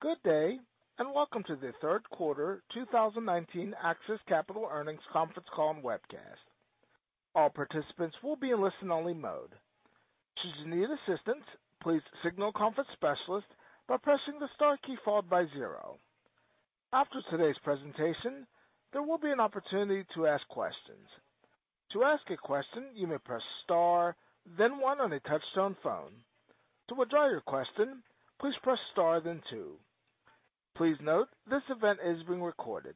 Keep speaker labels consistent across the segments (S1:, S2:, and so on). S1: Good day. Welcome to the third quarter 2019 AXIS Capital earnings conference call and webcast. All participants will be in listen only mode. Should you need assistance, please signal conference specialist by pressing the star key followed by zero. After today's presentation, there will be an opportunity to ask questions. To ask a question, you may press star, then one on a touch-tone phone. To withdraw your question, please press star, then two. Please note, this event is being recorded.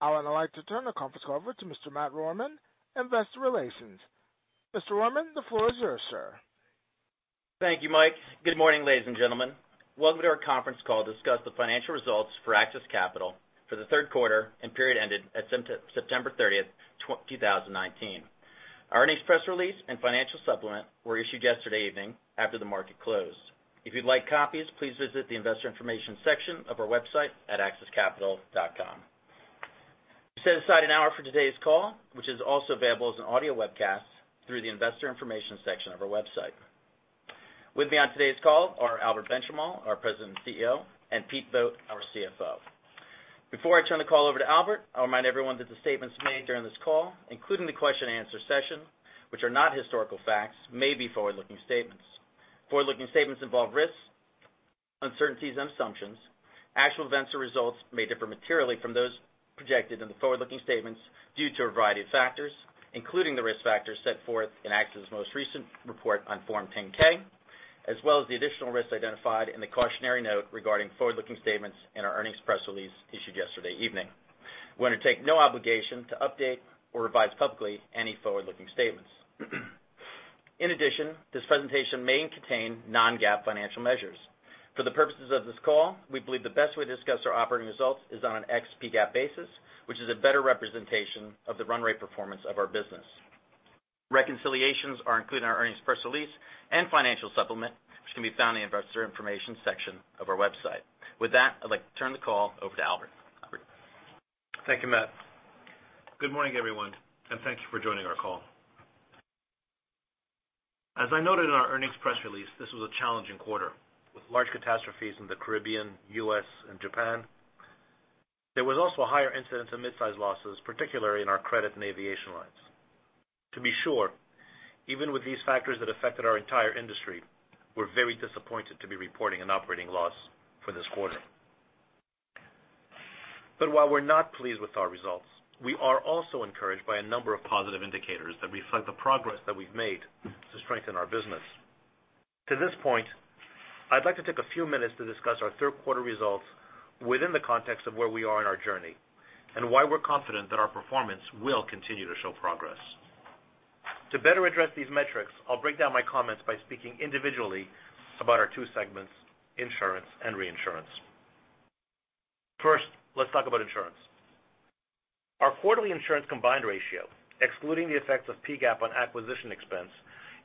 S1: I would now like to turn the conference over to Mr. Matt Rohrmann, investor relations. Mr. Rohrmann, the floor is yours, sir.
S2: Thank you, Mike. Good morning, ladies and gentlemen. Welcome to our conference call to discuss the financial results for AXIS Capital for the third quarter and period ended at September 30th, 2019. Our earnings press release and financial supplement were issued yesterday evening after the market closed. If you'd like copies, please visit the investor information section of our website at axiscapital.com. We set aside an hour for today's call, which is also available as an audio webcast through the investor information section of our website. With me on today's call are Albert Benchimol, our President and CEO, and Pete Vogt, our CFO. Before I turn the call over to Albert, I'll remind everyone that the statements made during this call, including the question and answer session, which are not historical facts, may be forward-looking statements. Forward-looking statements involve risks, uncertainties, and assumptions. Actual events or results may differ materially from those projected in the forward-looking statements due to a variety of factors, including the risk factors set forth in AXIS' most recent report on Form 10-K, as well as the additional risks identified in the cautionary note regarding forward-looking statements in our earnings press release issued yesterday evening. We undertake no obligation to update or revise publicly any forward-looking statements. This presentation may contain non-GAAP financial measures. For the purposes of this call, we believe the best way to discuss our operating results is on an ex-PGAAP basis, which is a better representation of the run rate performance of our business. Reconciliations are included in our earnings press release and financial supplement, which can be found in the investor information section of our website. I'd like to turn the call over to Albert. Albert?
S3: Thank you, Matt. Good morning, everyone. Thank you for joining our call. As I noted in our earnings press release, this was a challenging quarter, with large catastrophes in the Caribbean, U.S., and Japan. There was also a higher incidence of mid-size losses, particularly in our credit and aviation lines. To be sure, even with these factors that affected our entire industry, we're very disappointed to be reporting an operating loss for this quarter. While we're not pleased with our results, we are also encouraged by a number of positive indicators that reflect the progress that we've made to strengthen our business. To this point, I'd like to take a few minutes to discuss our third quarter results within the context of where we are in our journey, why we're confident that our performance will continue to show progress. To better address these metrics, I'll break down my comments by speaking individually about our two segments, insurance and reinsurance. First, let's talk about insurance. Our quarterly insurance combined ratio, excluding the effects of PGAAP on acquisition expense,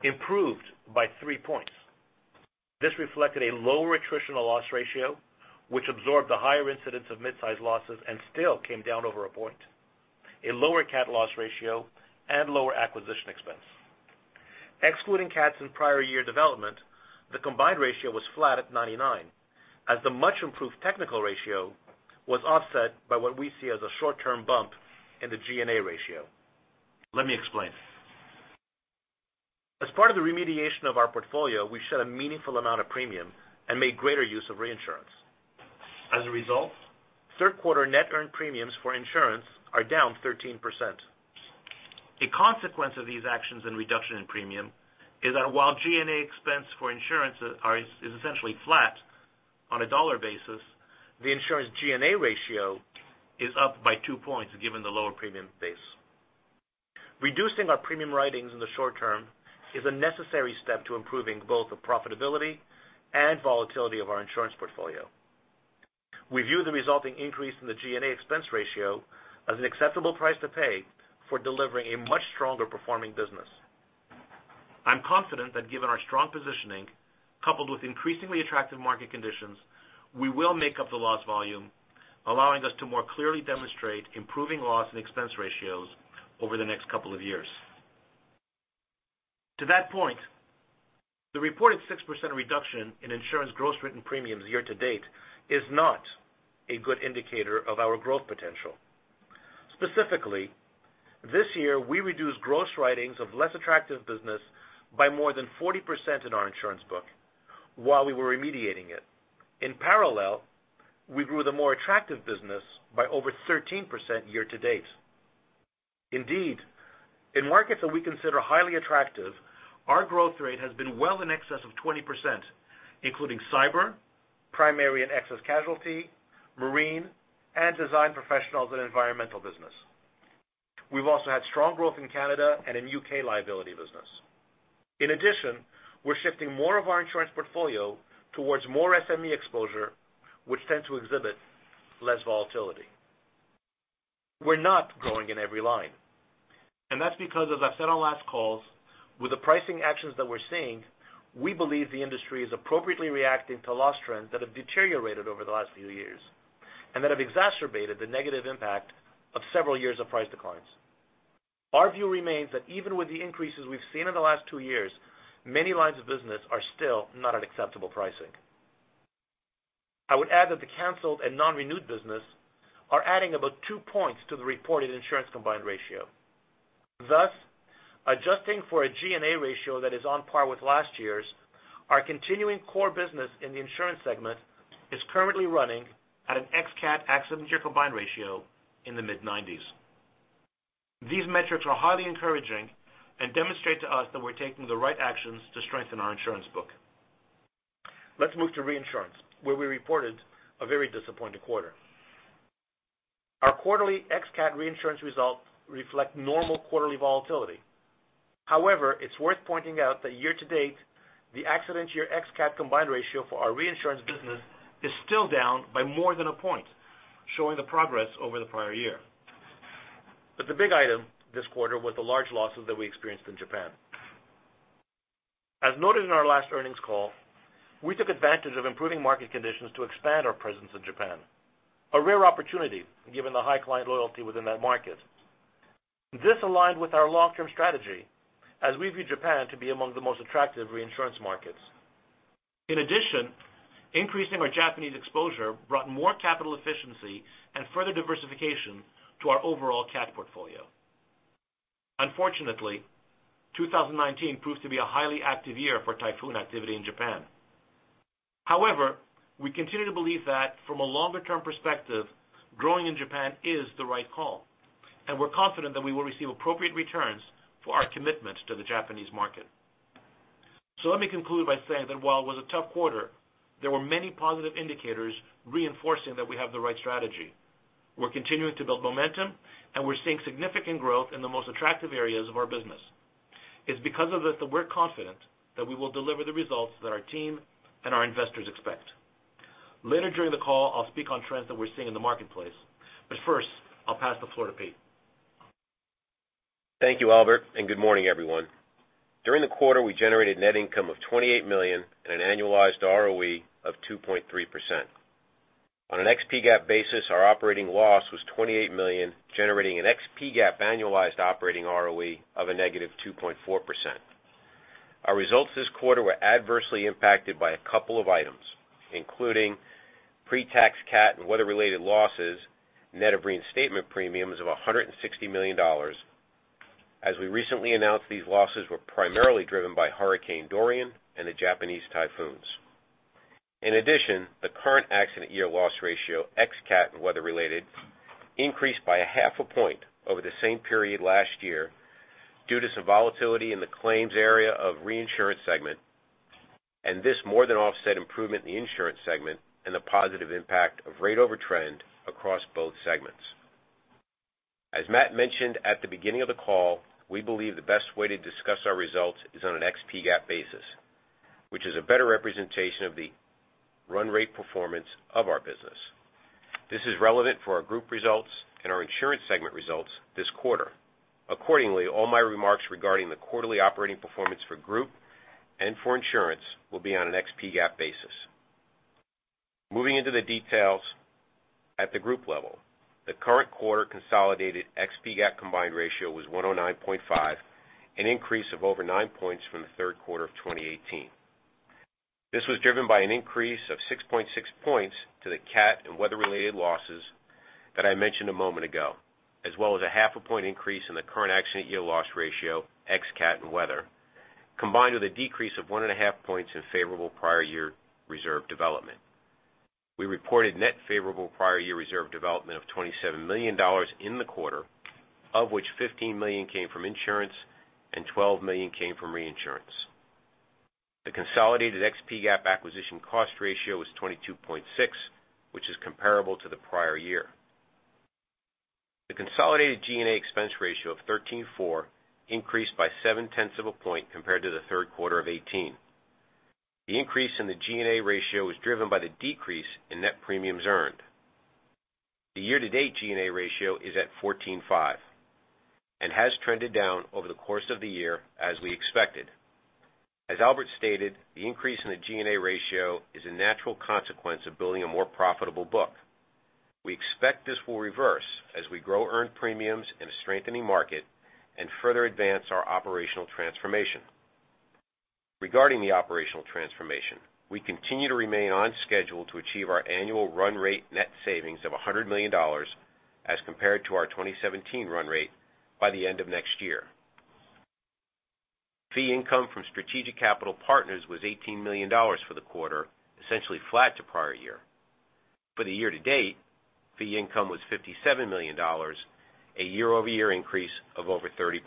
S3: improved by 3 points. This reflected a lower attritional loss ratio, which absorbed the higher incidence of mid-size losses and still came down over a point, a lower CAT loss ratio, and lower acquisition expense. Excluding CATs in prior year development, the combined ratio was flat at 99, as the much-improved technical ratio was offset by what we see as a short-term bump in the G&A ratio. Let me explain. As part of the remediation of our portfolio, we shed a meaningful amount of premium and made greater use of reinsurance. As a result, third quarter net earned premiums for insurance are down 13%. A consequence of these actions and reduction in premium is that while G&A expense for insurance is essentially flat on a dollar basis, the insurance G&A ratio is up by 2 points given the lower premium base. Reducing our premium writings in the short term is a necessary step to improving both the profitability and volatility of our insurance portfolio. We view the resulting increase in the G&A expense ratio as an acceptable price to pay for delivering a much stronger performing business. I'm confident that given our strong positioning, coupled with increasingly attractive market conditions, we will make up the lost volume, allowing us to more clearly demonstrate improving loss and expense ratios over the next couple of years. To that point, the reported 6% reduction in insurance gross written premiums year to date is not a good indicator of our growth potential. Specifically, this year we reduced gross writings of less attractive business by more than 40% in our insurance book while we were remediating it. In parallel, we grew the more attractive business by over 13% year to date. Indeed, in markets that we consider highly attractive, our growth rate has been well in excess of 20%, including cyber, primary and excess casualty, marine, and design professionals in environmental business. We've also had strong growth in Canada and in U.K. liability business. In addition, we're shifting more of our insurance portfolio towards more SME exposure, which tends to exhibit less volatility. We're not growing in every line, and that's because, as I said on last calls, with the pricing actions that we're seeing, we believe the industry is appropriately reacting to loss trends that have deteriorated over the last few years and that have exacerbated the negative impact of several years of price declines. Our view remains that even with the increases we've seen in the last 2 years, many lines of business are still not at acceptable pricing. I would add that the canceled and non-renewed business are adding about 2 points to the reported insurance combined ratio. Thus, adjusting for a G&A ratio that is on par with last year's, our continuing core business in the insurance segment is currently running at an ex-CAT accident year combined ratio in the mid-90s. These metrics are highly encouraging and demonstrate to us that we're taking the right actions to strengthen our insurance book. Let's move to reinsurance, where we reported a very disappointing quarter. Our quarterly ex-CAT reinsurance results reflect normal quarterly volatility. However, it's worth pointing out that year-to-date, the accident year ex-CAT combined ratio for our reinsurance business is still down by more than a point, showing the progress over the prior year. The big item this quarter was the large losses that we experienced in Japan. As noted in our last earnings call, we took advantage of improving market conditions to expand our presence in Japan, a rare opportunity given the high client loyalty within that market. This aligned with our long-term strategy as we view Japan to be among the most attractive reinsurance markets. In addition, increasing our Japanese exposure brought more capital efficiency and further diversification to our overall CAT portfolio. Unfortunately, 2019 proved to be a highly active year for typhoon activity in Japan. However, we continue to believe that from a longer-term perspective, growing in Japan is the right call, and we're confident that we will receive appropriate returns for our commitment to the Japanese market. Let me conclude by saying that while it was a tough quarter, there were many positive indicators reinforcing that we have the right strategy. We're continuing to build momentum, and we're seeing significant growth in the most attractive areas of our business. It's because of this that we're confident that we will deliver the results that our team and our investors expect. Later during the call, I'll speak on trends that we're seeing in the marketplace, but first, I'll pass the floor to Pete.
S4: Thank you, Albert, and good morning, everyone. During the quarter, we generated net income of $28 million and an annualized ROE of 2.3%. On an ex-PGAAP basis, our operating loss was $28 million, generating an ex-PGAAP annualized operating ROE of a negative 2.4%. Our results this quarter were adversely impacted by a couple of items, including pre-tax CAT and weather-related losses, net of reinstatement premiums of $160 million. As we recently announced, these losses were primarily driven by Hurricane Dorian and the Japanese typhoons. In addition, the current accident year loss ratio, ex-CAT and weather-related, increased by a half a point over the same period last year due to some volatility in the claims area of reinsurance segment, and this more than offset improvement in the insurance segment and the positive impact of rate over trend across both segments. As Matt mentioned at the beginning of the call, we believe the best way to discuss our results is on an ex-PGAAP basis, which is a better representation of the run rate performance of our business. This is relevant for our group results and our insurance segment results this quarter. Accordingly, all my remarks regarding the quarterly operating performance for group and for insurance will be on an ex-PGAAP basis. Moving into the details at the group level, the current quarter consolidated ex-PGAAP combined ratio was 109.5, an increase of over nine points from the third quarter of 2018. This was driven by an increase of 6.6 points to the CAT and weather-related losses that I mentioned a moment ago, as well as a half a point increase in the current accident year loss ratio, ex-CAT and weather, combined with a decrease of one and a half points in favorable prior year reserve development. We reported net favorable prior year reserve development of $27 million in the quarter, of which $15 million came from insurance and $12 million came from reinsurance. The consolidated ex-PGAAP acquisition cost ratio was 22.6, which is comparable to the prior year. The consolidated G&A expense ratio of 13.4 increased by seven tenths of a point compared to the third quarter of 2018. The increase in the G&A ratio was driven by the decrease in net premiums earned. The year-to-date G&A ratio is at 14.5 and has trended down over the course of the year as we expected. As Albert stated, the increase in the G&A ratio is a natural consequence of building a more profitable book. We expect this will reverse as we grow earned premiums in a strengthening market and further advance our operational transformation. Regarding the operational transformation, we continue to remain on schedule to achieve our annual run rate net savings of $100 million as compared to our 2017 run rate by the end of next year. Fee income from strategic capital partners was $18 million for the quarter, essentially flat to prior year. For the year to date, fee income was $57 million, a year-over-year increase of over 30%.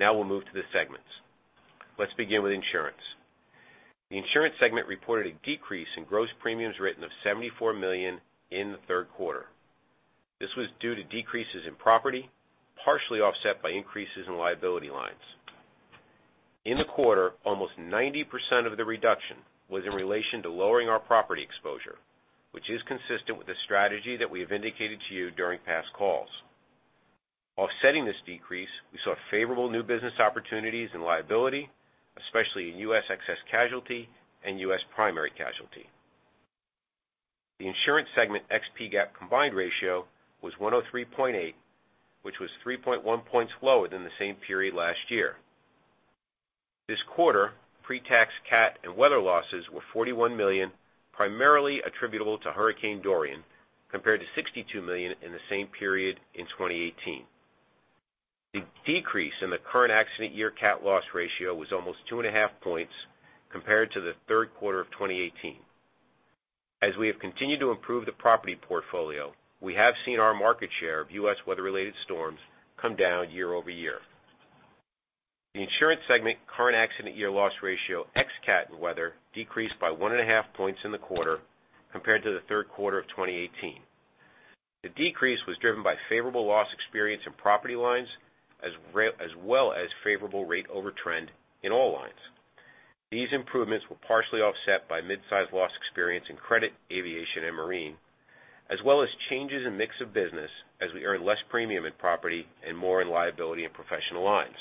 S4: We'll move to the segments. Let's begin with insurance. The insurance segment reported a decrease in gross premiums written of $74 million in the third quarter. This was due to decreases in property, partially offset by increases in liability lines. In the quarter, almost 90% of the reduction was in relation to lowering our property exposure, which is consistent with the strategy that we have indicated to you during past calls. Offsetting this decrease, we saw favorable new business opportunities in liability, especially in U.S. excess casualty and U.S. primary casualty. The insurance segment ex-PGAAP combined ratio was 103.8, which was 3.1 points lower than the same period last year. This quarter, pre-tax CAT and weather losses were $41 million, primarily attributable to Hurricane Dorian, compared to $62 million in the same period in 2018. The decrease in the current accident year CAT loss ratio was almost two and a half points compared to the third quarter of 2018. As we have continued to improve the property portfolio, we have seen our market share of U.S. weather-related storms come down year over year. The insurance segment current accident year loss ratio ex-CAT and weather decreased by one and a half points in the quarter compared to the third quarter of 2018. The decrease was driven by favorable loss experience in property lines, as well as favorable rate over trend in all lines. These improvements were partially offset by mid-size loss experience in credit, aviation, and marine, as well as changes in mix of business as we earn less premium in property and more in liability and professional lines.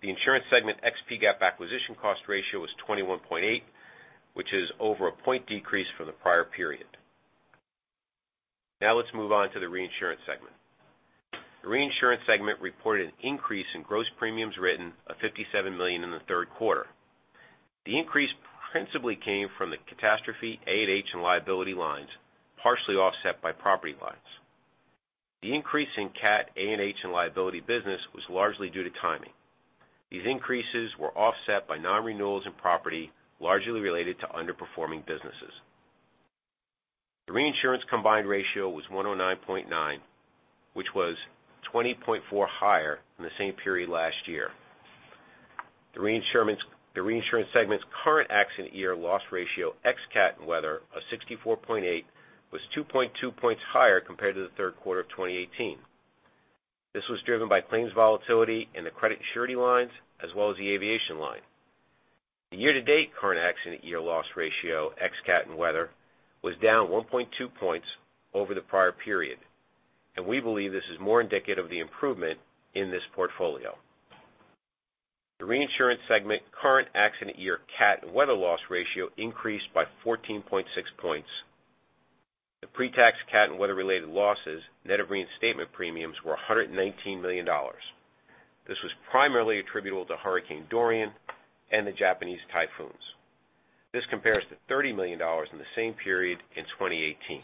S4: The insurance segment ex-PGAAP acquisition cost ratio was 21.8%, which is over a point decrease from the prior period. Let's move on to the reinsurance segment. The reinsurance segment reported an increase in gross premiums written of $57 million in the third quarter. The increase principally came from the CAT A&H and liability lines, partially offset by property lines. The increase in CAT A&H and liability business was largely due to timing. These increases were offset by non-renewals in property, largely related to underperforming businesses. The reinsurance combined ratio was 109.9%, which was 20.4 points higher than the same period last year. The reinsurance segment's current accident year loss ratio ex-CAT and weather of 64.8% was 2.2 points higher compared to the third quarter of 2018. This was driven by claims volatility in the credit and surety lines, as well as the aviation line. The year-to-date current accident year loss ratio ex-CAT and weather was down 1.2 points over the prior period, and we believe this is more indicative of the improvement in this portfolio. The reinsurance segment current accident year CAT and weather loss ratio increased by 14.6 points. The pre-tax CAT and weather-related losses net of reinstatement premiums were $119 million. This was primarily attributable to Hurricane Dorian and the Japanese typhoons. This compares to $30 million in the same period in 2018.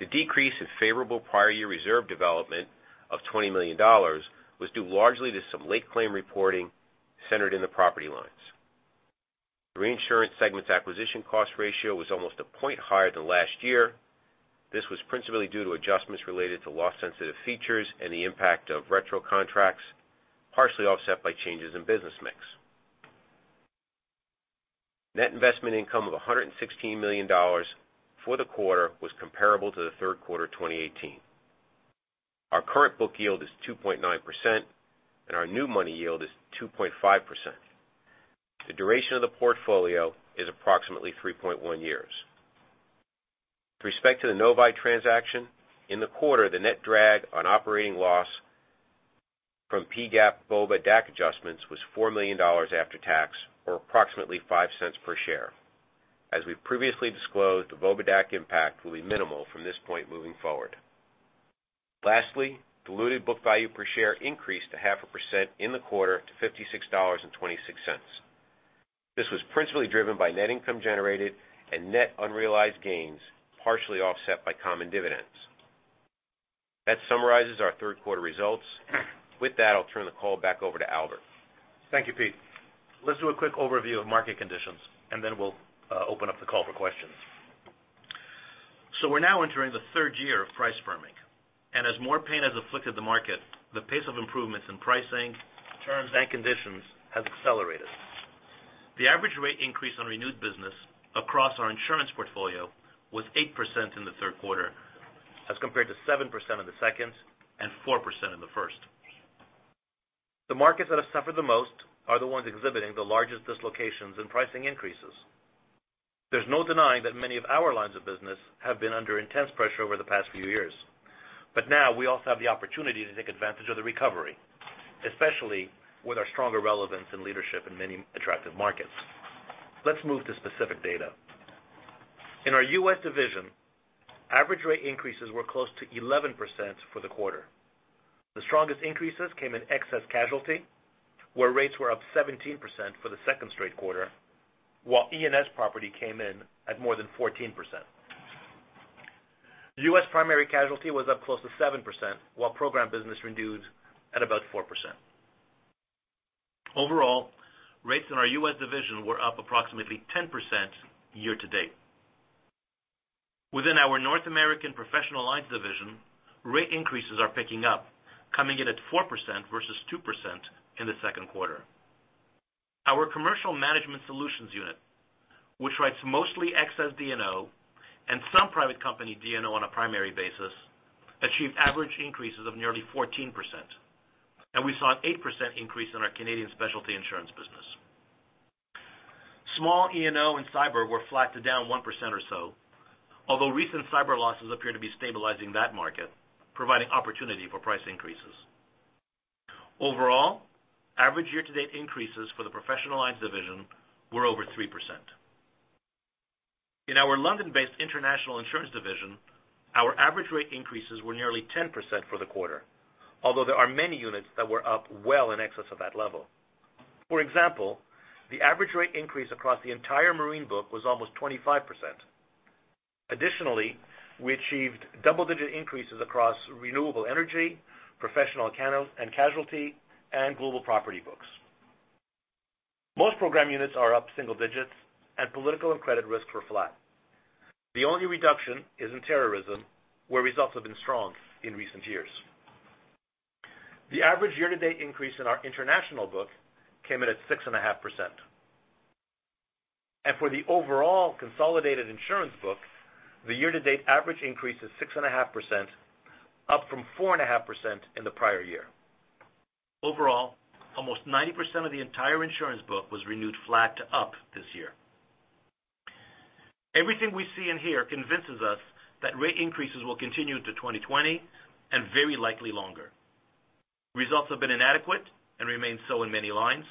S4: The decrease in favorable prior year reserve development of $20 million was due largely to some late claim reporting centered in the property lines. The reinsurance segment's acquisition cost ratio was almost a point higher than last year. This was principally due to adjustments related to loss-sensitive features and the impact of retro contracts, partially offset by changes in business mix. Net investment income of $116 million for the quarter was comparable to the third quarter 2018. Our current book yield is 2.9%, and our new money yield is 2.5%. The duration of the portfolio is approximately 3.1 years. With respect to the Novae transaction, in the quarter, the net drag on operating loss from PGAAP VOBA DAC adjustments was $4 million after tax, or approximately $0.05 per share. As we've previously disclosed, the VOBA DAC impact will be minimal from this point moving forward. Lastly, diluted book value per share increased 0.5% in the quarter to $56.26. This was principally driven by net income generated and net unrealized gains, partially offset by common dividends. That summarizes our third quarter results. With that, I'll turn the call back over to Albert.
S3: Thank you, Pete. Let's do a quick overview of market conditions and then we'll open up the call for questions. We're now entering the third year of price firming, and as more pain has afflicted the market, the pace of improvements in pricing, terms, and conditions has accelerated. The average rate increase on renewed business across our insurance portfolio was 8% in the third quarter as compared to 7% in the second and 4% in the first. The markets that have suffered the most are the ones exhibiting the largest dislocations and pricing increases. There's no denying that many of our lines of business have been under intense pressure over the past few years. We also have the opportunity to take advantage of the recovery, especially with our stronger relevance and leadership in many attractive markets. Let's move to specific data. In our U.S. division, average rate increases were close to 11% for the quarter. The strongest increases came in excess casualty, where rates were up 17% for the second straight quarter, while E&S property came in at more than 14%. U.S. primary casualty was up close to 7%, while program business renewed at about 4%. Overall, rates in our U.S. division were up approximately 10% year-to-date. Within our North American professional lines division, rate increases are picking up, coming in at 4% versus 2% in the second quarter. Our Commercial Management Solutions unit, which writes mostly excess D&O and some private company D&O on a primary basis, achieved average increases of nearly 14%, and we saw an 8% increase in our Canadian specialty insurance business. Small E&O and cyber were flat to down 1% or so, although recent cyber losses appear to be stabilizing that market, providing opportunity for price increases. Overall, average year-to-date increases for the professional lines division were over 3%. In our London-based international insurance division, our average rate increases were nearly 10% for the quarter, although there are many units that were up well in excess of that level. For example, the average rate increase across the entire marine book was almost 25%. Additionally, we achieved double-digit increases across renewable energy, professional and casualty, and global property books. Most program units are up single digits, and political and credit risk were flat. The only reduction is in terrorism, where results have been strong in recent years. The average year-to-date increase in our international book came in at 6.5%. For the overall consolidated insurance book, the year-to-date average increase is 6.5%, up from 4.5% in the prior year. Overall, almost 90% of the entire insurance book was renewed flat to up this year. Everything we see in here convinces us that rate increases will continue to 2020 and very likely longer. Results have been inadequate and remain so in many lines.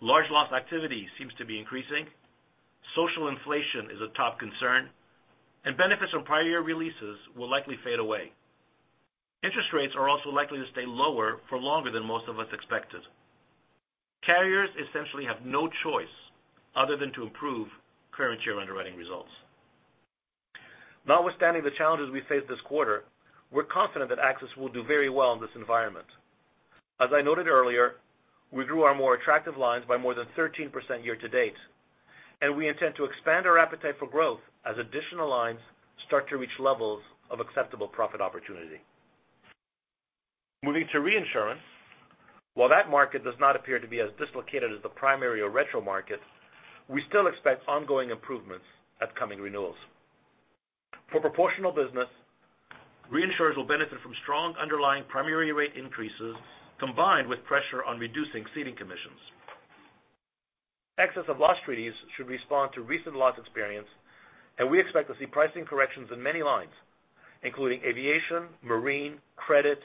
S3: Large loss activity seems to be increasing. Social inflation is a top concern, and benefits from prior year releases will likely fade away. Interest rates are also likely to stay lower for longer than most of us expected. Carriers essentially have no choice other than to improve current year underwriting results. Notwithstanding the challenges we face this quarter, we're confident that AXIS will do very well in this environment. As I noted earlier, we grew our more attractive lines by more than 13% year-to-date, and we intend to expand our appetite for growth as additional lines start to reach levels of acceptable profit opportunity. Moving to reinsurance, while that market does not appear to be as dislocated as the primary or retro markets, we still expect ongoing improvements at coming renewals. For proportional business, reinsurers will benefit from strong underlying primary rate increases, combined with pressure on reducing ceding commissions. Excess of loss treaties should respond to recent loss experience, and we expect to see pricing corrections in many lines, including aviation, marine, credit,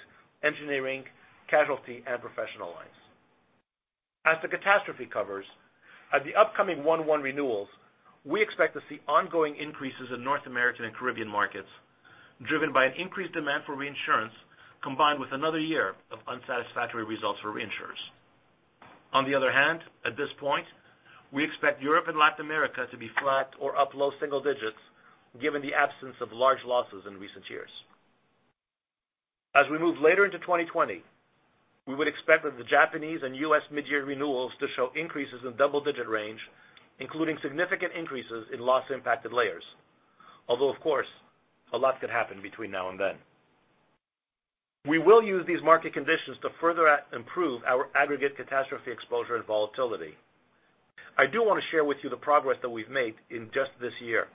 S3: engineering, casualty, and professional lines. As for catastrophe covers, at the upcoming 1/1 renewals, we expect to see ongoing increases in North American and Caribbean markets, driven by an increased demand for reinsurance combined with another year of unsatisfactory results for reinsurers. On the other hand, at this point, we expect Europe and Latin America to be flat or up low single-digits given the absence of large losses in recent years. As we move later into 2020, we would expect that the Japanese and U.S. mid-year renewals to show increases in double-digit range, including significant increases in loss impacted layers. Although of course, a lot could happen between now and then. We will use these market conditions to further improve our aggregate catastrophe exposure and volatility. I do want to share with you the progress that we've made in just this year.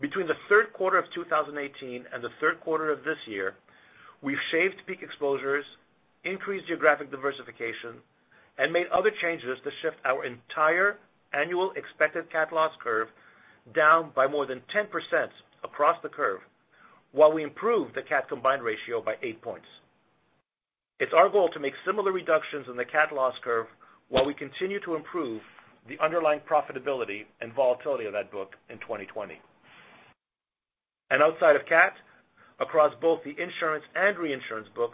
S3: Between the third quarter of 2018 and the third quarter of this year, we've shaved peak exposures, increased geographic diversification, and made other changes to shift our entire annual expected CAT loss curve down by more than 10% across the curve, while we improved the CAT combined ratio by eight points. It's our goal to make similar reductions in the CAT loss curve while we continue to improve the underlying profitability and volatility of that book in 2020. Outside of CAT, across both the insurance and reinsurance book,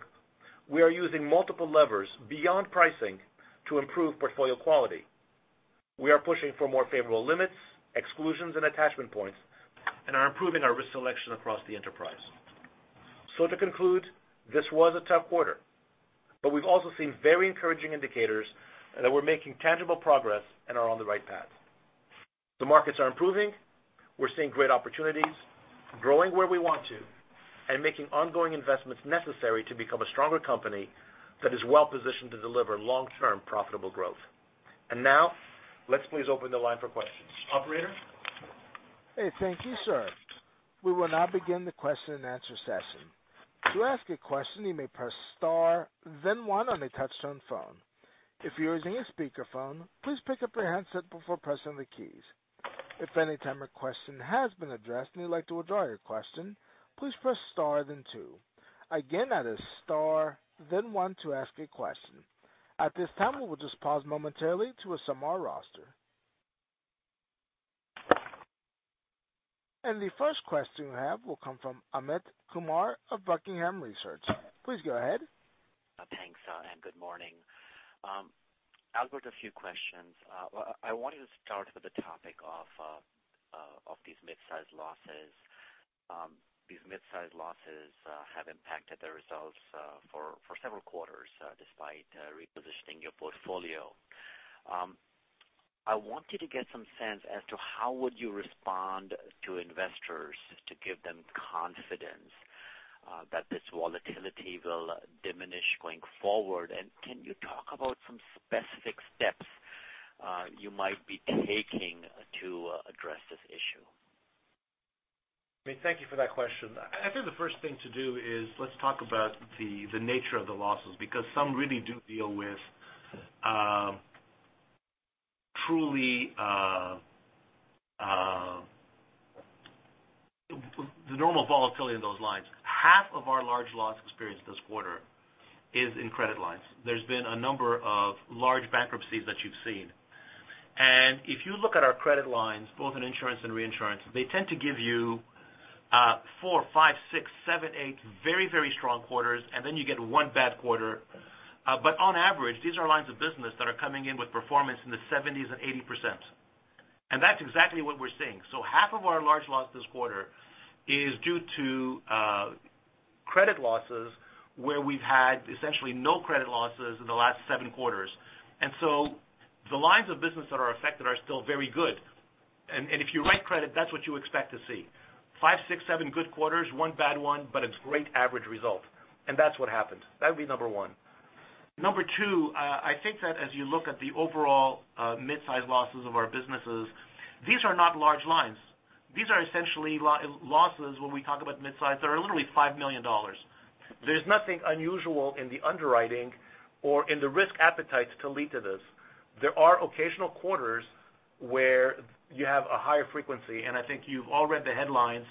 S3: we are using multiple levers beyond pricing to improve portfolio quality. We are pushing for more favorable limits, exclusions, and attachment points, and are improving our risk selection across the enterprise. To conclude, this was a tough quarter, but we've also seen very encouraging indicators that we're making tangible progress and are on the right path. The markets are improving. We're seeing great opportunities, growing where we want to, and making ongoing investments necessary to become a stronger company that is well-positioned to deliver long-term profitable growth. Now, let's please open the line for questions. Operator?
S1: Hey, thank you, sir. We will now begin the question and answer session. To ask a question, you may press star then one on a touch-tone phone. If you're using a speakerphone, please pick up your handset before pressing the keys. If any time a question has been addressed and you'd like to withdraw your question, please press star then two. Again, that is star then one to ask a question. At this time, we will just pause momentarily to assemble our roster. The first question we have will come from Amit Kumar of Buckingham Research. Please go ahead.
S5: Thanks, and good morning. Albert, a few questions. I wanted to start with the topic of these mid-size losses. These mid-size losses have impacted the results for several quarters, despite repositioning your portfolio. I wanted to get some sense as to how would you respond to investors to give them confidence that this volatility will diminish going forward. Can you talk about some specific steps you might be taking to address this issue?
S3: Amit, thank you for that question. I think the first thing to do is let's talk about the nature of the losses, because some really do deal with the normal volatility in those lines. Half of our large loss experience this quarter is in credit lines. There's been a number of large bankruptcies that you've seen. If you look at our credit lines, both in insurance and reinsurance, they tend to give you four, five, six, seven, eight very strong quarters, and then you get one bad quarter. On average, these are lines of business that are coming in with performance in the 70s and 80%. That's exactly what we're seeing. Half of our large loss this quarter is due to credit losses where we've had essentially no credit losses in the last seven quarters. The lines of business that are affected are still very good. If you write credit, that's what you expect to see. Five, six, seven good quarters, one bad one, but it's great average result. That's what happened. That would be number one. Number two, I think that as you look at the overall mid-size losses of our businesses, these are not large lines. These are essentially losses when we talk about mid-size, that are literally $5 million. There's nothing unusual in the underwriting or in the risk appetites to lead to this. There are occasional quarters where you have a higher frequency, and I think you've all read the headlines,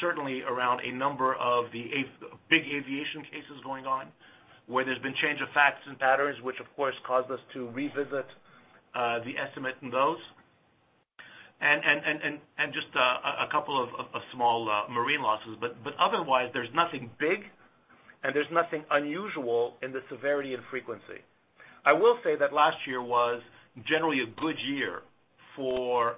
S3: certainly around a number of the big aviation cases going on, where there's been change of facts and patterns, which of course, caused us to revisit the estimate in those. Just a couple of small marine losses. Otherwise, there's nothing big and there's nothing unusual in the severity and frequency. I will say that last year was generally a good year for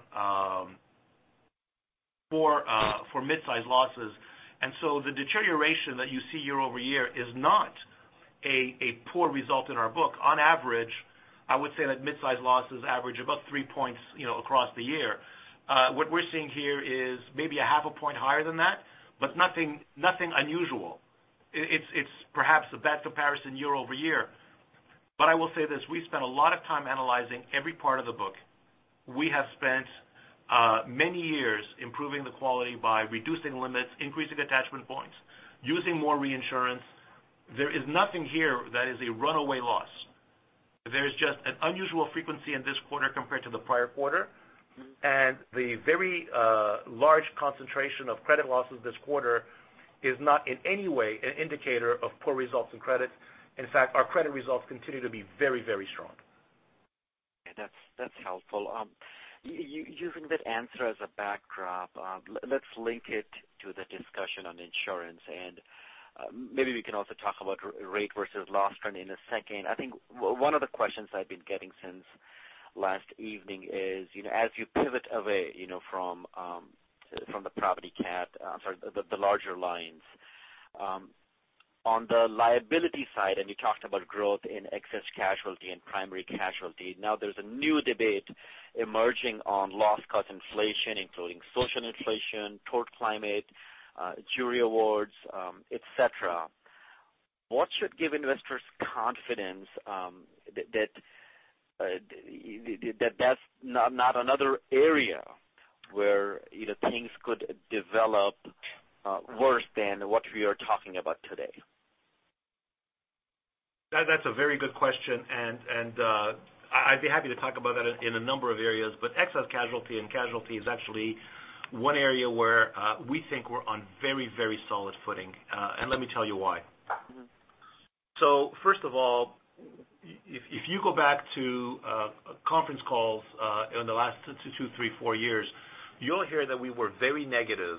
S3: mid-size losses, the deterioration that you see year-over-year is not a poor result in our book. On average, I would say that mid-size losses average about three points across the year. What we're seeing here is maybe a half a point higher than that, but nothing unusual. It's perhaps a bad comparison year-over-year. I will say this, we spent a lot of time analyzing every part of the book. We have spent many years improving the quality by reducing limits, increasing attachment points, using more reinsurance. There is nothing here that is a runaway loss. There is just an unusual frequency in this quarter compared to the prior quarter. The very large concentration of credit losses this quarter is not in any way an indicator of poor results in credit. In fact, our credit results continue to be very strong.
S5: Okay, that's helpful. Using that answer as a backdrop, let's link it to the discussion on insurance and maybe we can also talk about rate versus loss trend in a second. I think one of the questions I've been getting since last evening is, as you pivot away from the property CAT, sorry, the larger lines. On the liability side, you talked about growth in excess casualty and primary casualty, now there's a new debate emerging on loss cost inflation, including social inflation, toward climate, jury awards, et cetera. What should give investors confidence that that's not another area where either things could develop worse than what we are talking about today?
S3: That's a very good question, I'd be happy to talk about that in a number of areas, excess casualty and casualty is actually one area where we think we're on very solid footing. Let me tell you why. First of all, if you go back to conference calls in the last two, three, four years, you'll hear that we were very negative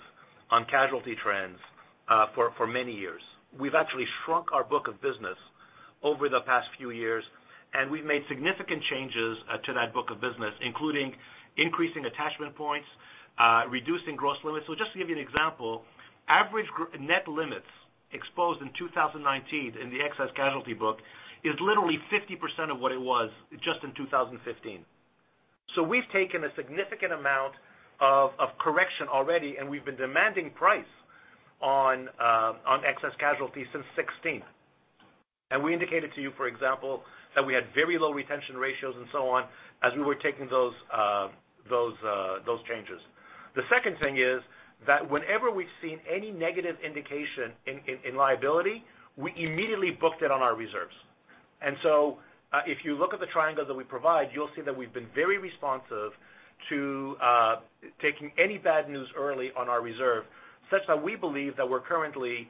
S3: on casualty trends for many years. We've actually shrunk our book of business over the past few years, we've made significant changes to that book of business, including increasing attachment points, reducing gross limits. Just to give you an example, average net limits exposed in 2019 in the excess casualty book is literally 50% of what it was just in 2015. We've taken a significant amount of correction already, we've been demanding price on excess casualty since 2016. We indicated to you, for example, that we had very low retention ratios and so on, as we were taking those changes. The second thing is that whenever we've seen any negative indication in liability, we immediately booked it on our reserves. If you look at the triangle that we provide, you'll see that we've been very responsive to taking any bad news early on our reserve, such that we believe that we're currently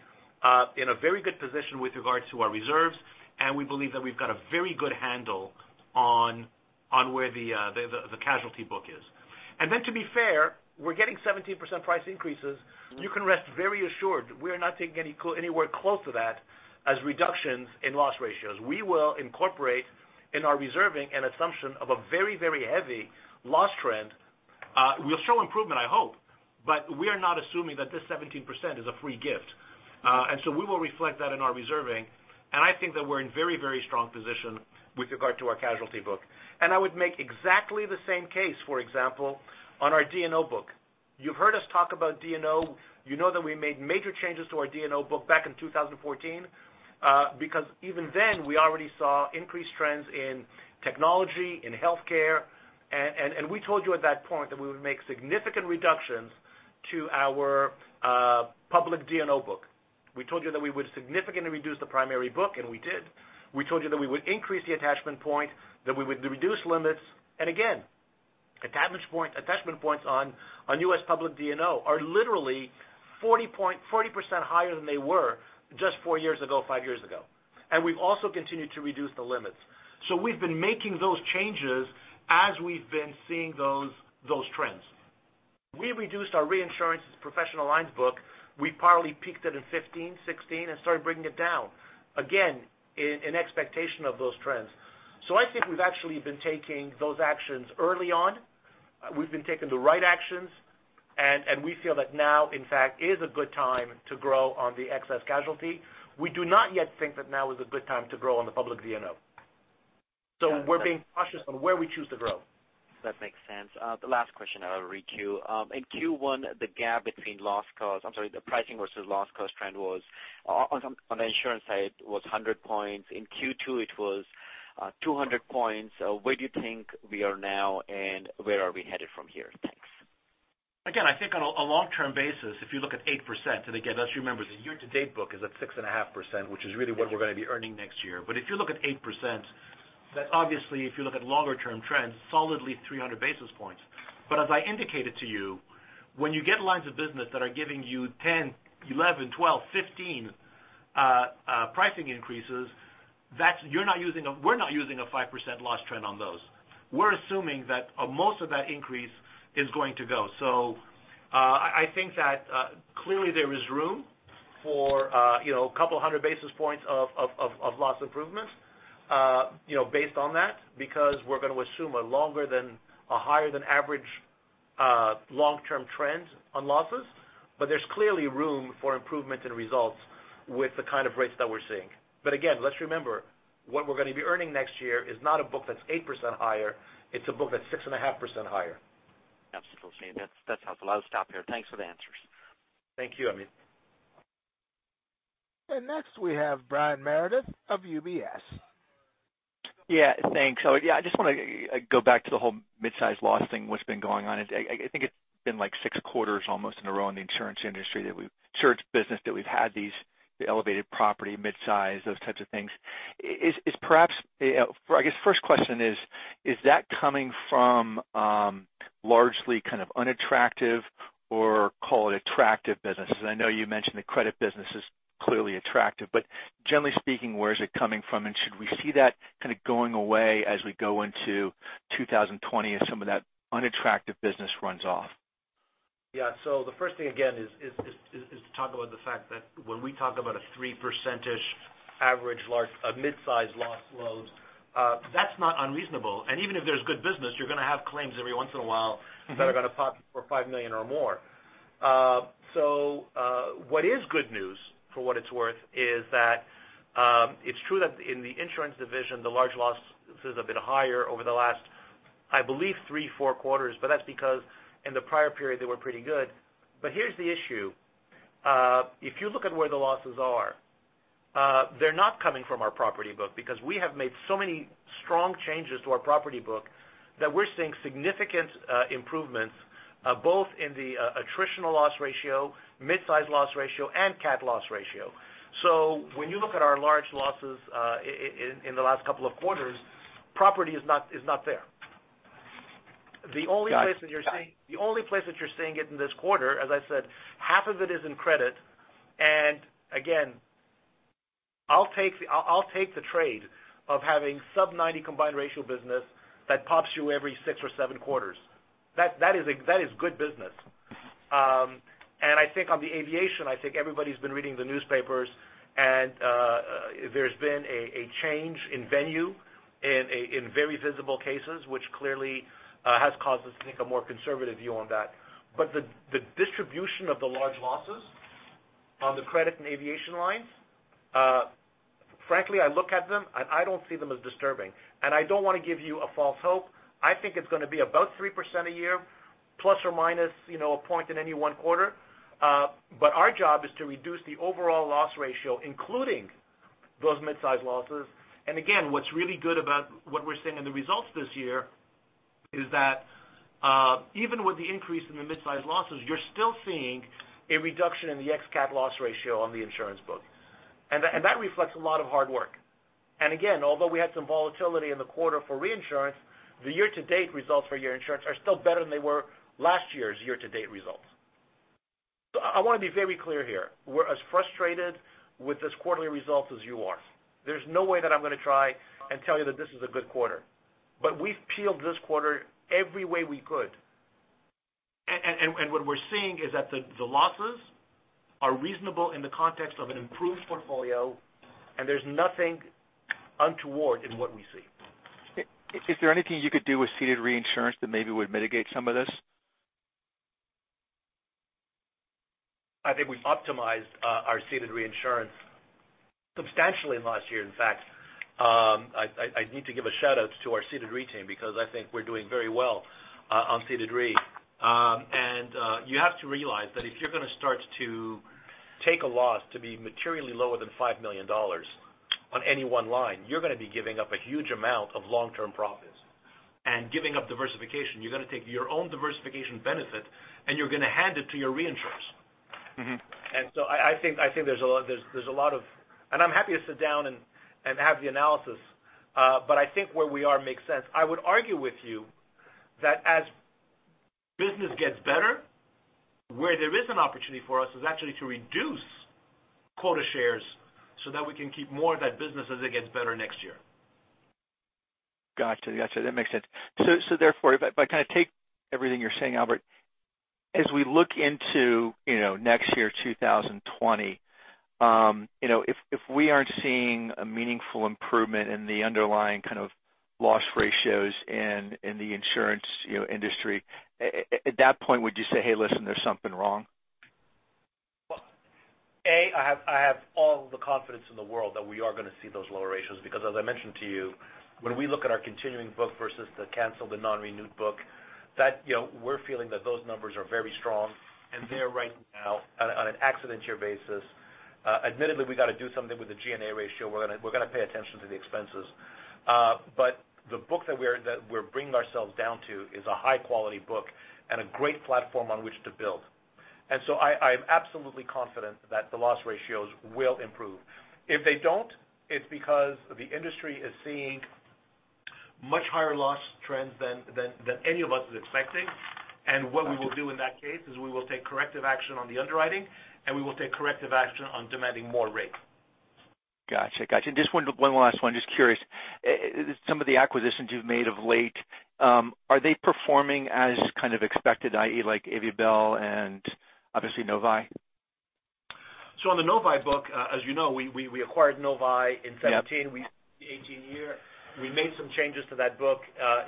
S3: in a very good position with regards to our reserves, and we believe that we've got a very good handle on where the casualty book is. To be fair, we're getting 17% price increases. You can rest very assured we're not taking anywhere close to that as reductions in loss ratios. We will incorporate in our reserving an assumption of a very heavy loss trend. We'll show improvement, I hope, but we are not assuming that this 17% is a free gift. We will reflect that in our reserving, and I think that we're in very strong position with regard to our casualty book. I would make exactly the same case, for example, on our D&O book. You've heard us talk about D&O. You know that we made major changes to our D&O book back in 2014, because even then, we already saw increased trends in technology, in healthcare. We told you at that point that we would make significant reductions to our public D&O book. We told you that we would significantly reduce the primary book, and we did. We told you that we would increase the attachment point, that we would reduce limits. Again, attachment points on U.S. public D&O are literally 40% higher than they were just four years ago, five years ago. We've also continued to reduce the limits. We've been making those changes as we've been seeing those trends. We reduced our reinsurance's professional lines book. We partly peaked it in 2015, 2016, and started bringing it down, again, in expectation of those trends. I think we've actually been taking those actions early on. We've been taking the right actions, and we feel that now, in fact, is a good time to grow on the excess casualty. We do not yet think that now is a good time to grow on the public D&O. We're being cautious on where we choose to grow.
S5: That makes sense. The last question I will re-queue. In Q1, the gap between loss cost I'm sorry, the pricing versus loss cost trend was, on the insurance side, it was 100 points. In Q2, it was 200 points. Where do you think we are now, and where are we headed from here? Thanks.
S3: I think on a long-term basis, if you look at 8%, and again, let's remember, the year-to-date book is at 6.5%, which is really what we're going to be earning next year. If you look at 8%, that obviously, if you look at longer-term trends, solidly 300 basis points. As I indicated to you, when you get lines of business that are giving you 10, 11, 12, 15 pricing increases, we're not using a 5% loss trend on those. We're assuming that most of that increase is going to go. I think that clearly there is room for a couple of hundred basis points of loss improvement based on that, because we're going to assume a higher than average long-term trend on losses. There's clearly room for improvement in results with the kind of rates that we're seeing. Again, let's remember, what we're going to be earning next year is not a book that's 8% higher, it's a book that's 6.5% higher.
S5: Absolutely. That's helpful. I'll stop here. Thanks for the answers.
S3: Thank you, Amit.
S1: Next we have Brian Meredith of UBS.
S6: Yeah, thanks. Yeah, I just want to go back to the whole mid-size loss thing, what's been going on. I think it's been 6 quarters almost in a row in the insurance industry that we've surged business, that we've had these elevated property, mid-size, those types of things. I guess first question is that coming from largely kind of unattractive or call it attractive businesses? I know you mentioned the credit business is clearly attractive, but generally speaking, where is it coming from? Should we see that kind of going away as we go into 2020 as some of that unattractive business runs off?
S3: Yeah. The first thing, again, is to talk about the fact that when we talk about a three percentage average mid-size loss load, that's not unreasonable. Even if there's good business, you're going to have claims every once in a while that are going to pop for $5 million or more. What is good news, for what it's worth, is that it's true that in the insurance division, the large losses have been higher over the last, I believe, three, four quarters, but that's because in the prior period, they were pretty good. Here's the issue. If you look at where the losses are, they're not coming from our property book because we have made so many strong changes to our property book that we're seeing significant improvements both in the attritional loss ratio, mid-size loss ratio, and CAT loss ratio. When you look at our large losses in the last couple of quarters, property is not there.
S6: Got it.
S3: The only place that you're seeing it in this quarter, as I said, half of it is in credit. Again, I'll take the trade of having sub 90 combined ratio business that pops you every six or seven quarters. That is good business. I think on the aviation, I think everybody's been reading the newspapers and there's been a change in venue in very visible cases, which clearly has caused us to take a more conservative view on that. The distribution of the large losses on the credit and aviation lines, frankly, I look at them and I don't see them as disturbing. I don't want to give you a false hope. I think it's going to be about 3% a year, plus or minus a point in any one quarter. Our job is to reduce the overall loss ratio, including those mid-size losses. Again, what's really good about what we're seeing in the results this year is that even with the increase in the mid-size losses, you're still seeing a reduction in the ex-CAT loss ratio on the insurance book. That reflects a lot of hard work. Again, although we had some volatility in the quarter for reinsurance, the year-to-date results for year insurance are still better than they were last year's year-to-date results. I want to be very clear here. We're as frustrated with this quarterly result as you are. There's no way that I'm going to try and tell you that this is a good quarter. We've peeled this quarter every way we could. What we're seeing is that the losses are reasonable in the context of an improved portfolio, and there's nothing untoward in what we see.
S6: Is there anything you could do with ceded reinsurance that maybe would mitigate some of this?
S3: I think we've optimized our ceded reinsurance substantially in the last year. In fact, I need to give a shout-out to our ceded re team because I think we're doing very well on ceded re. You have to realize that if you're going to start to take a loss to be materially lower than $5 million on any one line, you're going to be giving up a huge amount of long-term profits and giving up diversification. You're going to take your own diversification benefit, and you're going to hand it to your reinsurers I'm happy to sit down and have the analysis. I think where we are makes sense. I would argue with you that as business gets better, where there is an opportunity for us is actually to reduce quota shares so that we can keep more of that business as it gets better next year.
S6: Got you. That makes sense. Therefore, if I take everything you're saying, Albert, as we look into next year, 2020, if we aren't seeing a meaningful improvement in the underlying kind of loss ratios in the insurance industry, at that point, would you say, "Hey, listen, there's something wrong?
S3: Well, A, I have all the confidence in the world that we are going to see those lower ratios because as I mentioned to you, when we look at our continuing book versus the canceled and non-renewed book, we're feeling that those numbers are very strong and there right now on an accident year basis. Admittedly, we got to do something with the G&A ratio. We're going to pay attention to the expenses. The book that we're bringing ourselves down to is a high-quality book and a great platform on which to build. I'm absolutely confident that the loss ratios will improve. If they don't, it's because the industry is seeing much higher loss trends than any of us is expecting. What we will do in that case is we will take corrective action on the underwriting, and we will take corrective action on demanding more rate.
S6: Got you. Just one last one. Just curious. Some of the acquisitions you've made of late, are they performing as kind of expected, i.e., like Aviabel and obviously Novae?
S3: On the Novae book, as you know, we acquired Novae in 2017.
S6: Yep.
S3: We ended the 2018 year. We made some changes to that book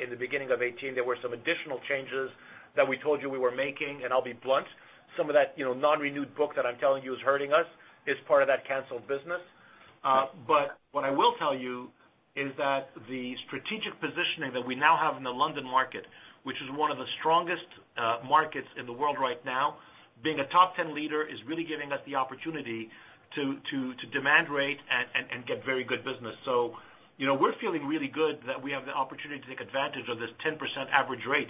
S3: in the beginning of 2018. There were some additional changes that we told you we were making, and I'll be blunt, some of that non-renewed book that I'm telling you is hurting us is part of that canceled business. What I will tell you is that the strategic positioning that we now have in the London market, which is one of the strongest markets in the world right now, being a top 10 leader is really giving us the opportunity to demand rate and get very good business. We're feeling really good that we have the opportunity to take advantage of this 10% average rate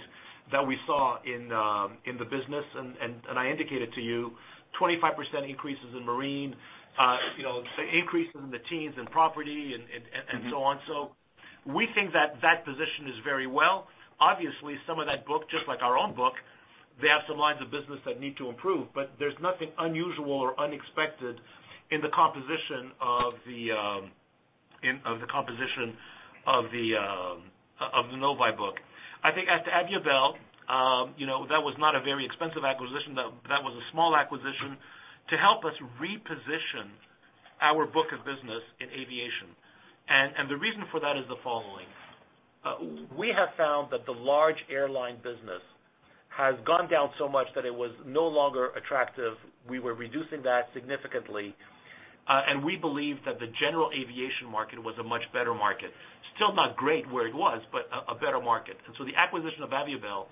S3: that we saw in the business. I indicated to you, 25% increases in marine, increase in the teens in property and so on. We think that that position is very well. Obviously, some of that book, just like our own book, they have some lines of business that need to improve, but there's nothing unusual or unexpected in the composition of the Novae book. I think at the Aviabel, that was not a very expensive acquisition. That was a small acquisition to help us reposition our book of business in aviation. The reason for that is the following. We have found that the large airline business has gone down so much that it was no longer attractive. We were reducing that significantly, and we believed that the general aviation market was a much better market. Still not great where it was, but a better market. The acquisition of Aviabel,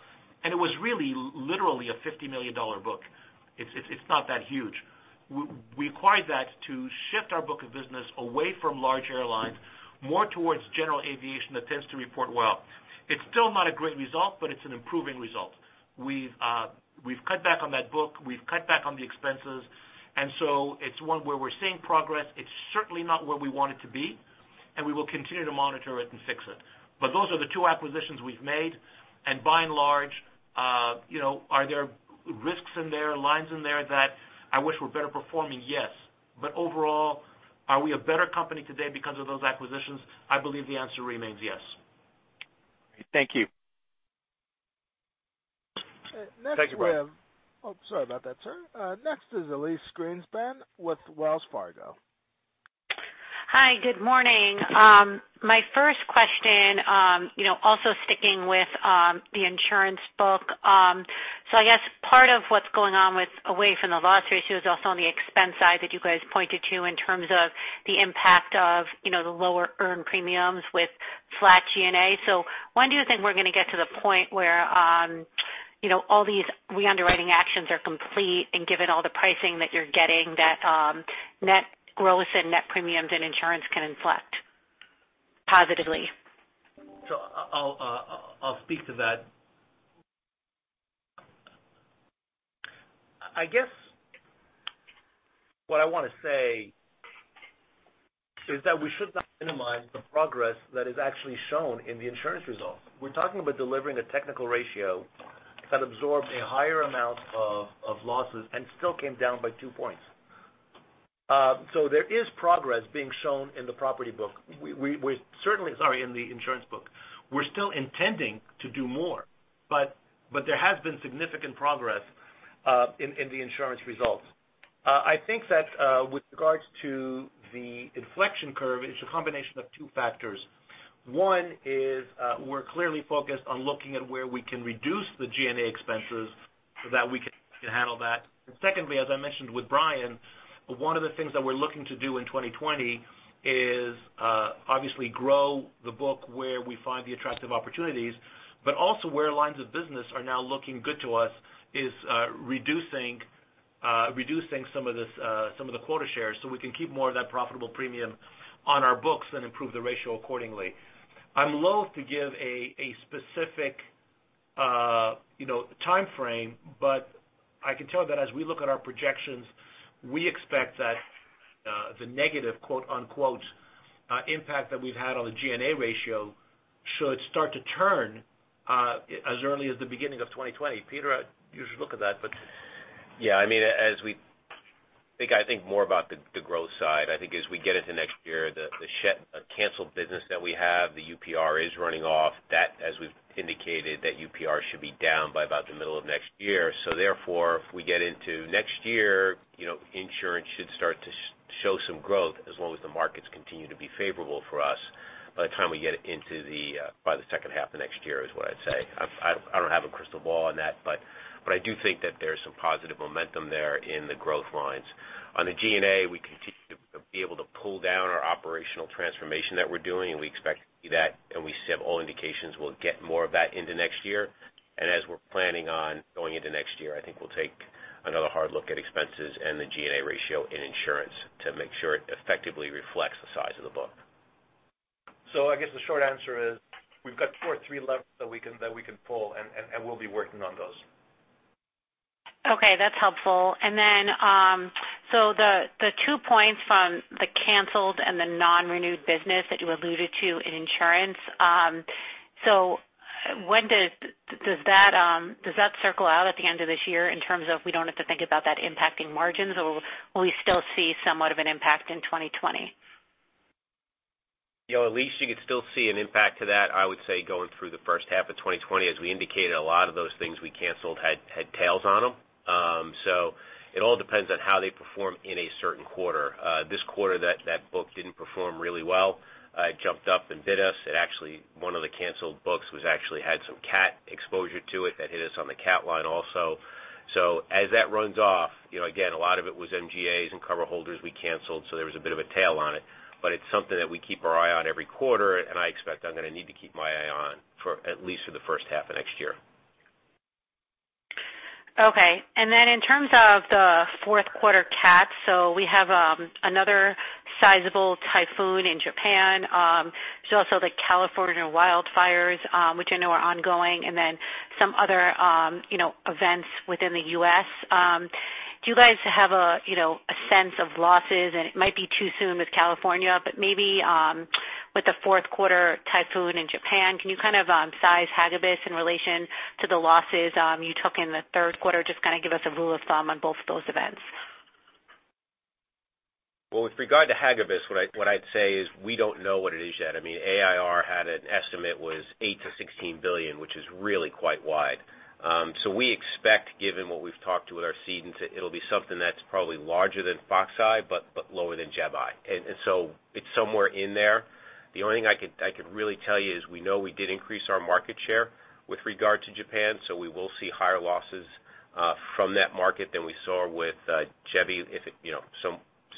S3: and it was really literally a $50 million book. It's not that huge. We acquired that to shift our book of business away from large airlines, more towards general aviation that tends to report well. It's still not a great result, but it's an improving result. We've cut back on that book. We've cut back on the expenses. It's one where we're seeing progress. It's certainly not where we want it to be, and we will continue to monitor it and fix it. Those are the two acquisitions we've made, and by and large, are there risks in there, lines in there that I wish were better performing? Yes. Overall, are we a better company today because of those acquisitions? I believe the answer remains yes.
S6: Thank you.
S1: Thank you, Brian.
S3: Thank you, Brian.
S1: Sorry about that, sir. Next is Elyse Greenspan with Wells Fargo.
S7: Hi, good morning. My first question, also sticking with the insurance book. I guess part of what's going on with away from the loss ratio is also on the expense side that you guys pointed to in terms of the impact of the lower earned premiums with flat G&A. When do you think we're going to get to the point where all these re-underwriting actions are complete and given all the pricing that you're getting, that net gross and net premiums and insurance can inflect positively?
S3: I'll speak to that. I guess what I want to say is that we should not minimize the progress that is actually shown in the insurance results. We're talking about delivering a technical ratio that absorbed a higher amount of losses and still came down by two points. There is progress being shown in the property book. In the insurance book. We're still intending to do more, but there has been significant progress in the insurance results. I think that with regards to the inflection curve, it's a combination of two factors. One is we're clearly focused on looking at where we can reduce the G&A expenses so that we can handle that. Secondly, as I mentioned with Brian, one of the things that we're looking to do in 2020 is obviously grow the book where we find the attractive opportunities, but also where lines of business are now looking good to us is reducing some of the quota shares so we can keep more of that profitable premium on our books and improve the ratio accordingly. I'm loath to give a specific timeframe, but I can tell that as we look at our projections, we expect that the negative, quote-unquote, impact that we've had on the G&A ratio should start to turn as early as the beginning of 2020. Peter, you should look at that.
S4: I think more about the growth side. As we get into next year, the canceled business that we have, the UPR is running off. That, as we've indicated, that UPR should be down by about the middle of next year. Therefore, if we get into next year, insurance should start to show some growth as long as the markets continue to be favorable for us by the time we get into the second half of next year is what I'd say. I don't have a crystal ball on that, but I do think that there's some positive momentum there in the growth lines. On the G&A, we continue to be able to pull down our operational transformation that we're doing, and we expect to do that, and we have all indications we'll get more of that into next year. As we're planning on going into next year, we'll take another hard look at expenses and the G&A ratio in insurance to make sure it effectively reflects the size of the book.
S3: I guess the short answer is we've got two or three levers that we can pull, and we'll be working on those.
S7: Okay, that's helpful. The two points from the canceled and the non-renewed business that you alluded to in insurance. Does that circle out at the end of this year in terms of we don't have to think about that impacting margins, or will we still see somewhat of an impact in 2020?
S4: Elyse, you could still see an impact to that, I would say, going through the first half of 2020. As we indicated, a lot of those things we canceled had tails on them. It all depends on how they perform in a certain quarter. This quarter, that book didn't perform really well. It jumped up and bit us. One of the canceled books actually had some CAT exposure to it that hit us on the CAT line also. As that runs off, again, a lot of it was MGAs and cover holders we canceled, there was a bit of a tail on it. It's something that we keep our eye on every quarter, and I expect I'm going to need to keep my eye on for at least through the first half of next year.
S7: Okay. In terms of the fourth quarter CAT, we have another sizable typhoon in Japan. There's also the California wildfires, which I know are ongoing, and some other events within the U.S. Do you guys have a sense of losses? It might be too soon with California, but maybe with the fourth quarter typhoon in Japan, can you kind of size Hagibis in relation to the losses you took in the third quarter? Just kind of give us a rule of thumb on both of those events.
S4: With regard to Hagibis, what I'd say is we don't know what it is yet. AIR had an estimate was $8 billion-$16 billion, which is really quite wide. We expect, given what we've talked with our cedents, it'll be something that's probably larger than Faxai, but lower than Jebi. It's somewhere in there. The only thing I could really tell you is we know we did increase our market share with regard to Japan, we will see higher losses from that market than we saw with Jebi,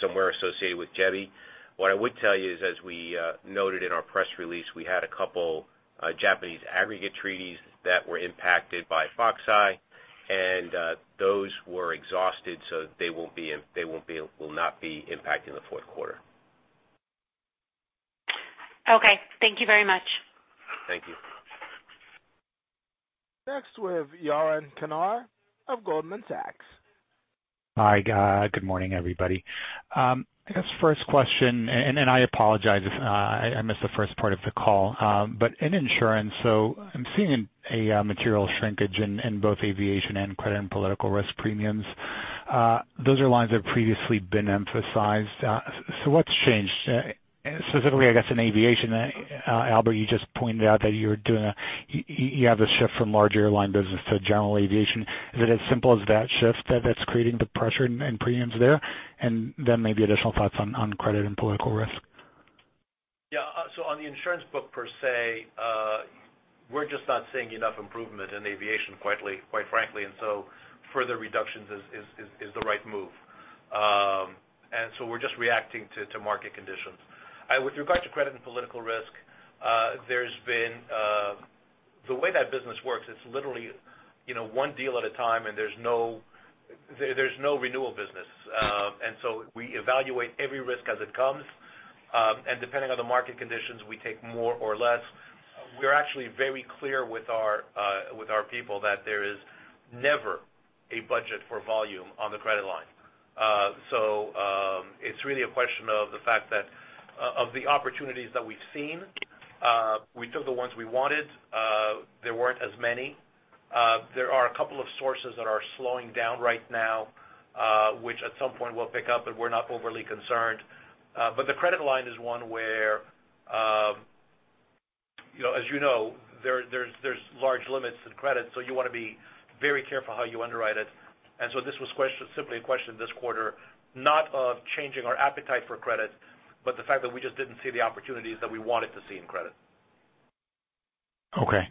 S4: somewhere associated with Jebi. What I would tell you is, as we noted in our press release, we had a couple Japanese aggregate treaties that were impacted by Faxai, and those were exhausted, they will not be impacting the fourth quarter.
S7: Okay. Thank you very much.
S4: Thank you.
S1: Next, we have Yaron Kinar of Goldman Sachs.
S8: Hi. Good morning, everybody. I guess first question. I apologize if I missed the first part of the call. In insurance, I'm seeing a material shrinkage in both aviation and credit and political risk premiums. Those are lines that have previously been emphasized. What's changed? Specifically, I guess, in aviation, Albert, you just pointed out that you have a shift from large airline business to general aviation. Is it as simple as that shift that's creating the pressure in premiums there? Then maybe additional thoughts on credit and political risk.
S3: Yeah. On the insurance book per se, we're just not seeing enough improvement in aviation, quite frankly. Further reductions is the right move. We're just reacting to market conditions. With regard to credit and political risk, the way that business works, it's literally one deal at a time. There's no renewal business. We evaluate every risk as it comes, and depending on the market conditions, we take more or less. We're actually very clear with our people that there is never a budget for volume on the credit line. It's really a question of the fact that of the opportunities that we've seen, we took the ones we wanted. There weren't as many. There are a couple of sources that are slowing down right now, which at some point will pick up, but we're not overly concerned. The credit line is one where as you know, there's large limits to the credit, so you want to be very careful how you underwrite it. This was simply a question this quarter, not of changing our appetite for credit, but the fact that we just didn't see the opportunities that we wanted to see in credit.
S8: Okay.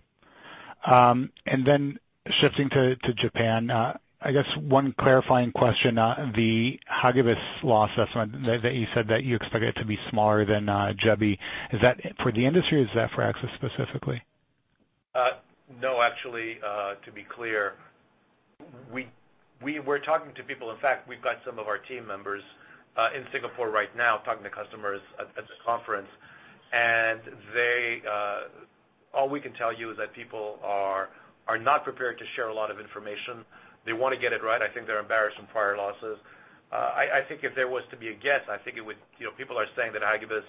S8: Shifting to Japan, I guess one clarifying question. The Hagibis loss estimate that you said that you expect it to be smaller than Jebi. Is that for the industry or is that for AXIS specifically?
S3: No, actually, to be clear. We were talking to people. In fact, we've got some of our team members in Singapore right now talking to customers at this conference. All we can tell you is that people are not prepared to share a lot of information. They want to get it right. I think they're embarrassed from prior losses. I think if there was to be a guess, people are saying that Hagibis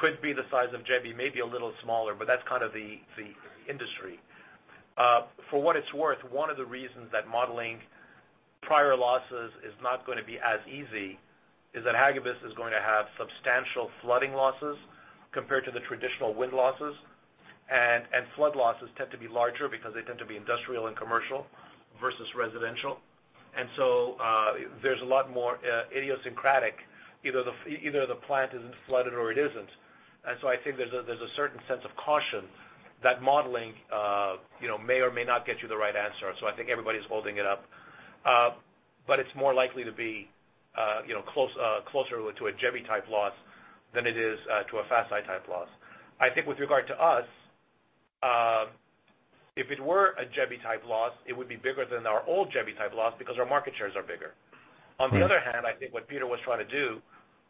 S3: could be the size of Jebi, maybe a little smaller, but that's kind of the industry. For what it's worth, one of the reasons that modeling prior losses is not going to be as easy is that Hagibis is going to have substantial flooding losses compared to the traditional wind losses. Flood losses tend to be larger because they tend to be industrial and commercial versus residential. There's a lot more idiosyncratic, either the plant isn't flooded or it isn't. I think there's a certain sense of caution that modeling may or may not get you the right answer. I think everybody's holding it up. It's more likely to be closer to a Jebi type loss than it is to a Faxai type loss. I think with regard to us, if it were a Jebi type loss, it would be bigger than our old Jebi type loss because our market shares are bigger. On the other hand, I think what Peter was trying to do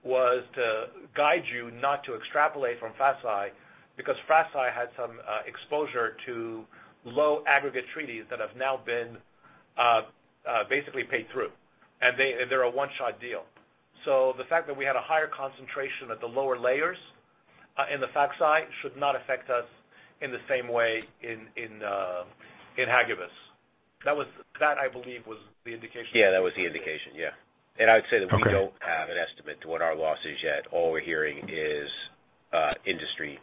S3: was to guide you not to extrapolate from Faxai because Faxai had some exposure to low aggregate treaties that have now been basically paid through, and they're a one-shot deal. The fact that we had a higher concentration at the lower layers in the Faxai should not affect us in the same way in Hagibis. That I believe was the indication.
S4: Yeah, that was the indication, yeah. I would say that we don't have an estimate to what our loss is yet. All we're hearing is industry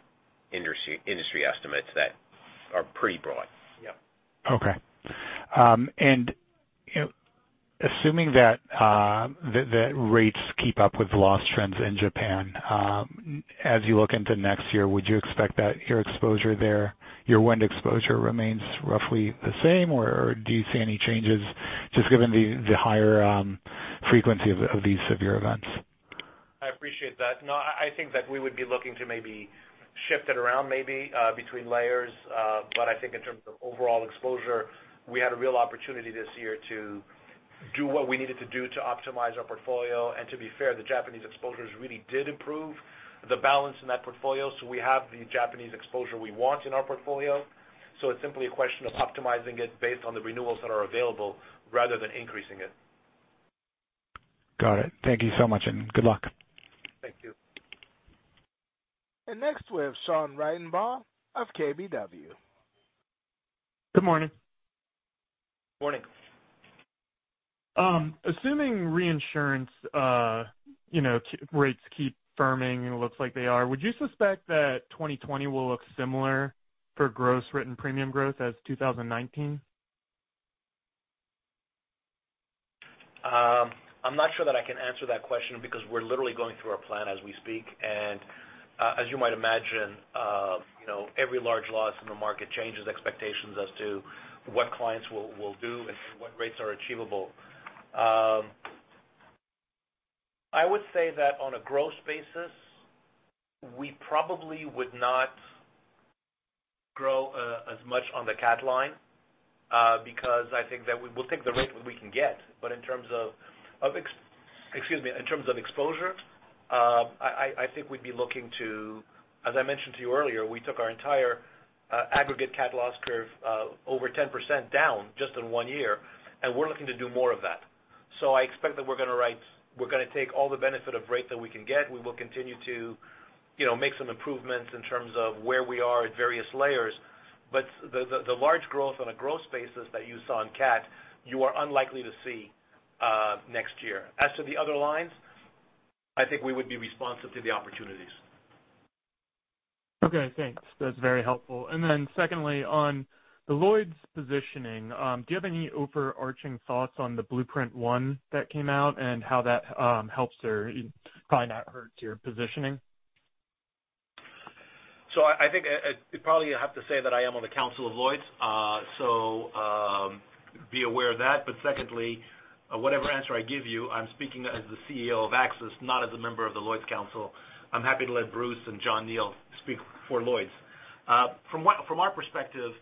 S4: estimates that are pretty broad.
S3: Yeah.
S8: Okay. Assuming that rates keep up with loss trends in Japan as you look into next year, would you expect that your exposure there, your wind exposure remains roughly the same, or do you see any changes just given the higher frequency of these severe events?
S3: I appreciate that. I think that we would be looking to maybe shift it around, maybe between layers. I think in terms of overall exposure, we had a real opportunity this year to do what we needed to do to optimize our portfolio. To be fair, the Japanese exposures really did improve the balance in that portfolio. We have the Japanese exposure we want in our portfolio. It's simply a question of optimizing it based on the renewals that are available rather than increasing it.
S8: Got it. Thank you so much, and good luck.
S3: Thank you.
S1: Next we have Sean Ridenbaugh of KBW.
S9: Good morning.
S3: Morning.
S9: Assuming reinsurance rates keep firming, and it looks like they are, would you suspect that 2020 will look similar for gross written premium growth as 2019?
S3: I'm not sure that I can answer that question because we're literally going through our plan as we speak, and as you might imagine every large loss in the market changes expectations as to what clients will do and what rates are achievable. I would say that on a gross basis, we probably would not grow as much on the CAT line because I think that we will take the rate that we can get. In terms of exposure, I think we'd be looking to, as I mentioned to you earlier, we took our entire aggregate CAT loss curve over 10% down just in one year, and we're looking to do more of that. I expect that we're going to take all the benefit of rate that we can get. We will continue to make some improvements in terms of where we are at various layers. The large growth on a gross basis that you saw in CAT, you are unlikely to see next year. As to the other lines, I think we would be responsive to the opportunities.
S9: Okay, thanks. That's very helpful. Secondly, on the Lloyd's positioning, do you have any overarching thoughts on the Blueprint One that came out and how that helps or probably not hurts your positioning?
S3: I think I probably have to say that I am on the Council of Lloyd's, so be aware of that. Secondly, whatever answer I give you, I'm speaking as the CEO of AXIS, not as a member of the Lloyd's Council. I'm happy to let Bruce and John Neal speak for Lloyd's. From our perspective,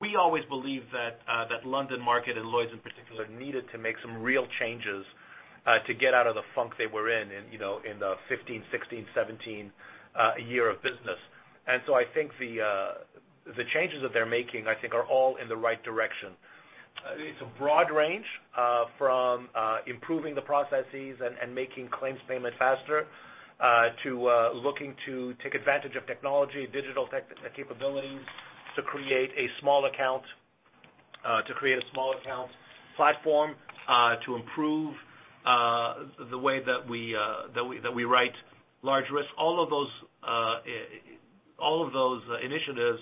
S3: we always believe that London Market and Lloyd's in particular, needed to make some real changes to get out of the funk they were in the 2015, 2016, 2017 year of business. I think the changes that they're making are all in the right direction. It's a broad range from improving the processes and making claims payment faster, to looking to take advantage of technology, digital capabilities to create a small account platform to improve the way that we write large risk. All of those initiatives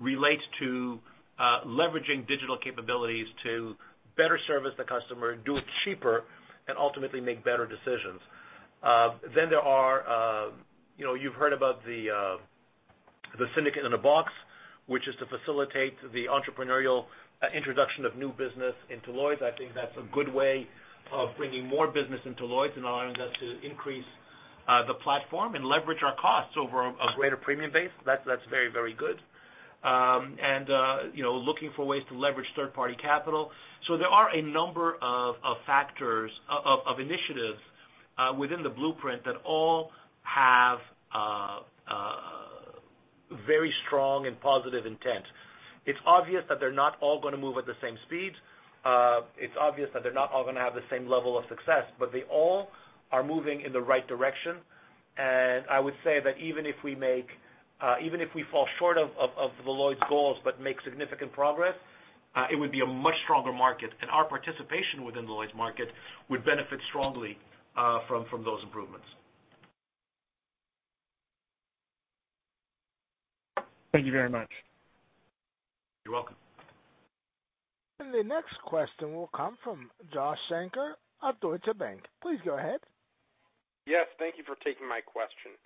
S3: relate to leveraging digital capabilities to better service the customer, do it cheaper, and ultimately make better decisions. There are, you've heard about the Syndicate in a Box, which is to facilitate the entrepreneurial introduction of new business into Lloyd's. I think that's a good way of bringing more business into Lloyd's and allowing them to increase the platform and leverage our costs over a greater premium base. That's very good and looking for ways to leverage third-party capital. There are a number of initiatives within the Blueprint One that all have very strong and positive intent. It's obvious that they're not all going to move at the same speed. It's obvious that they're not all going to have the same level of success, but they all are moving in the right direction. I would say that even if we fall short of the Lloyd's goals but make significant progress, it would be a much stronger market. Our participation within Lloyd's market would benefit strongly from those improvements. Thank you very much. You're welcome.
S1: The next question will come from Josh Shanker of Deutsche Bank. Please go ahead.
S10: Yes, thank you for taking my question.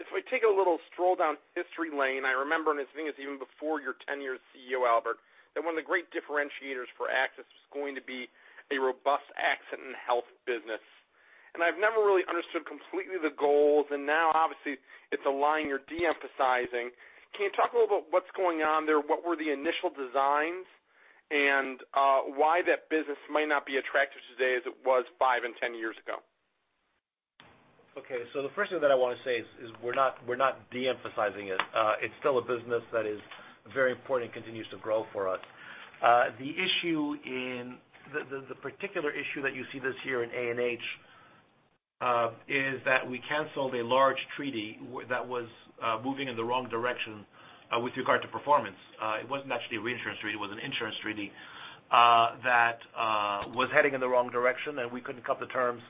S10: If we take a little stroll down history lane, I remember, and I think it's even before your tenure as CEO, Albert, that one of the great differentiators for AXIS was going to be a robust accident and health business. I've never really understood completely the goals. Now obviously it's a line you're de-emphasizing. Can you talk a little about what's going on there, what were the initial designs, and why that business might not be attractive today as it was five and 10 years ago?
S3: Okay. The first thing that I want to say is we're not de-emphasizing it. It's still a business that is very important and continues to grow for us. The particular issue that you see this year in A&H is that we canceled a large treaty that was moving in the wrong direction with regard to performance. It wasn't actually a reinsurance treaty, it was an insurance treaty that was heading in the wrong direction, and we couldn't cut the terms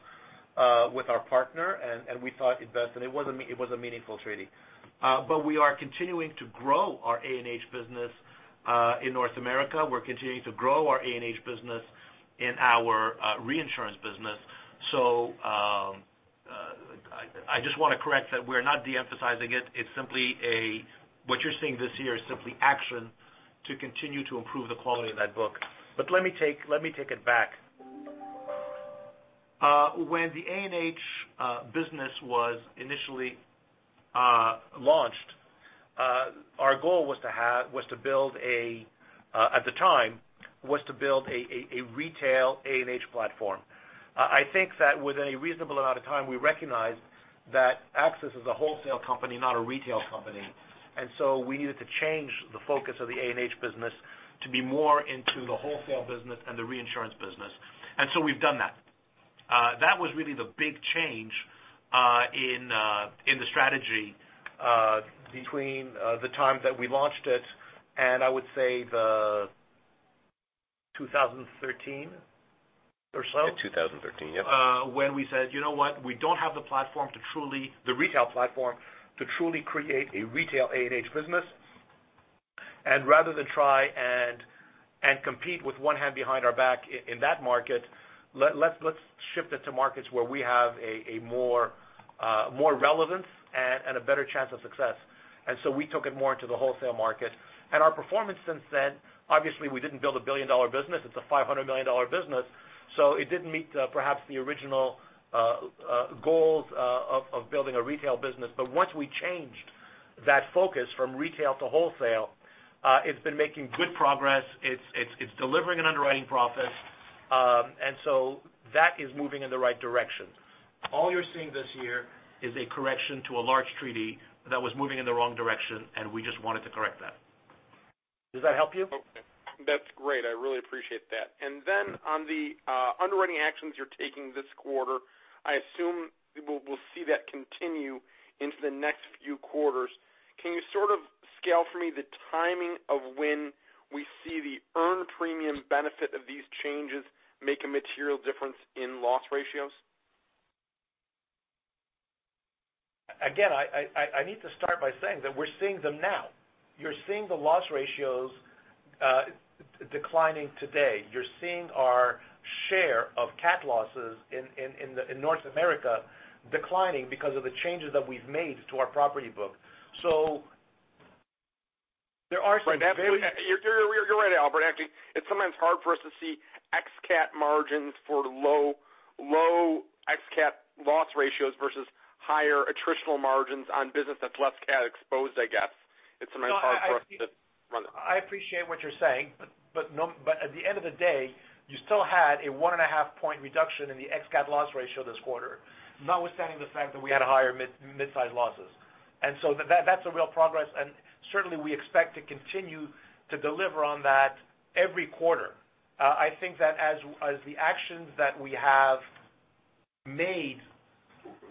S3: with our partner, and we thought it best. It was a meaningful treaty. We are continuing to grow our A&H business in North America. We're continuing to grow our A&H business in our reinsurance business. I just want to correct that we're not de-emphasizing it. What you're seeing this year is simply action to continue to improve the quality of that book. Let me take it back. When the A&H business was initially launched, our goal at the time, was to build a retail A&H platform. I think that within a reasonable amount of time, we recognized that AXIS is a wholesale company, not a retail company. We needed to change the focus of the A&H business to be more into the wholesale business and the reinsurance business. We've done that. That was really the big change in the strategy between the time that we launched it and I would say the 2013. When we said, "You know what? We don't have the retail platform to truly create a retail A&H business. Rather than try and compete with one hand behind our back in that market, let's shift it to markets where we have a more relevance and a better chance of success. We took it more into the wholesale market. Our performance since then, obviously, we didn't build a $1 billion business. It's a $500 million business. It didn't meet perhaps the original goals of building a retail business. Once we changed that focus from retail to wholesale, it's been making good progress. It's delivering an underwriting profit. That is moving in the right direction. All you're seeing this year is a correction to a large treaty that was moving in the wrong direction, and we just wanted to correct that. Does that help you?
S10: Okay. That's great. I really appreciate that. Then on the underwriting actions you're taking this quarter, I assume we'll see that continue into the next few quarters. Can you sort of scale for me the timing of when we see the earned premium benefit of these changes make a material difference in loss ratios?
S3: Again, I need to start by saying that we're seeing them now. You're seeing the loss ratios declining today. You're seeing our share of CAT losses in North America declining because of the changes that we've made to our property book.
S10: You're right, Albert. Actually, it's sometimes hard for us to see ex-CAT margins for low ex-CAT loss ratios versus higher attritional margins on business that's less CAT exposed, I guess. It's sometimes hard for us to run that.
S3: I appreciate what you're saying, but at the end of the day, you still had a one and a half point reduction in the ex-CAT loss ratio this quarter, notwithstanding the fact that we had higher mid-size losses. That's a real progress, and certainly, we expect to continue to deliver on that every quarter. I think that as the actions that we have made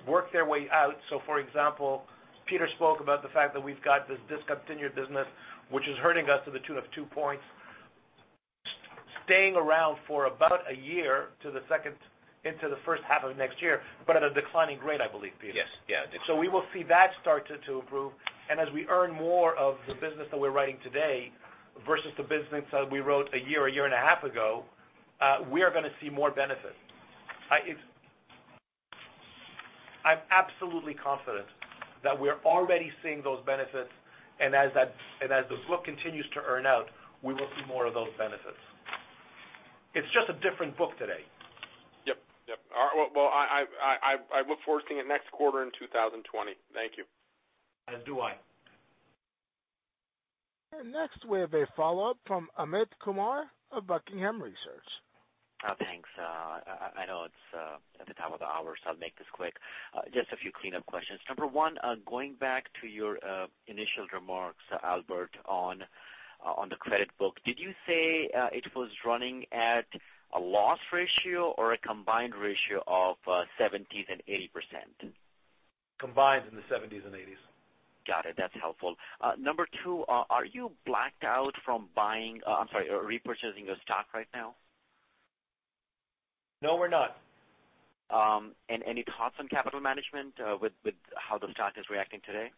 S3: work their way out, for example, Peter spoke about the fact that we've got this discontinued business, which is hurting us to the tune of two points, staying around for about a year into the first half of next year, but at a declining rate, I believe, Peter. Yes. Yeah, declining. We will see that start to improve. As we earn more of the business that we're writing today versus the business that we wrote a year, a year and a half ago, we are going to see more benefit. I'm absolutely confident that we're already seeing those benefits, and as the book continues to earn out, we will see more of those benefits. It's just a different book today.
S10: Yep. Well, I look forward to seeing it next quarter in 2020. Thank you.
S3: As do I.
S1: Next, we have a follow-up from Amit Kumar of Buckingham Research.
S5: Thanks. I know it's at the top of the hour, so I'll make this quick. Just a few clean-up questions. Number 1, going back to your initial remarks, Albert, on the credit book. Did you say it was running at a loss ratio or a combined ratio of 70% and 80%?
S3: Combined in the 70s and 80s.
S5: Got it. That's helpful. Number 2, are you blacked out from repurchasing your stock right now?
S3: No, we're not.
S5: Any thoughts on capital management with how the stock is reacting today?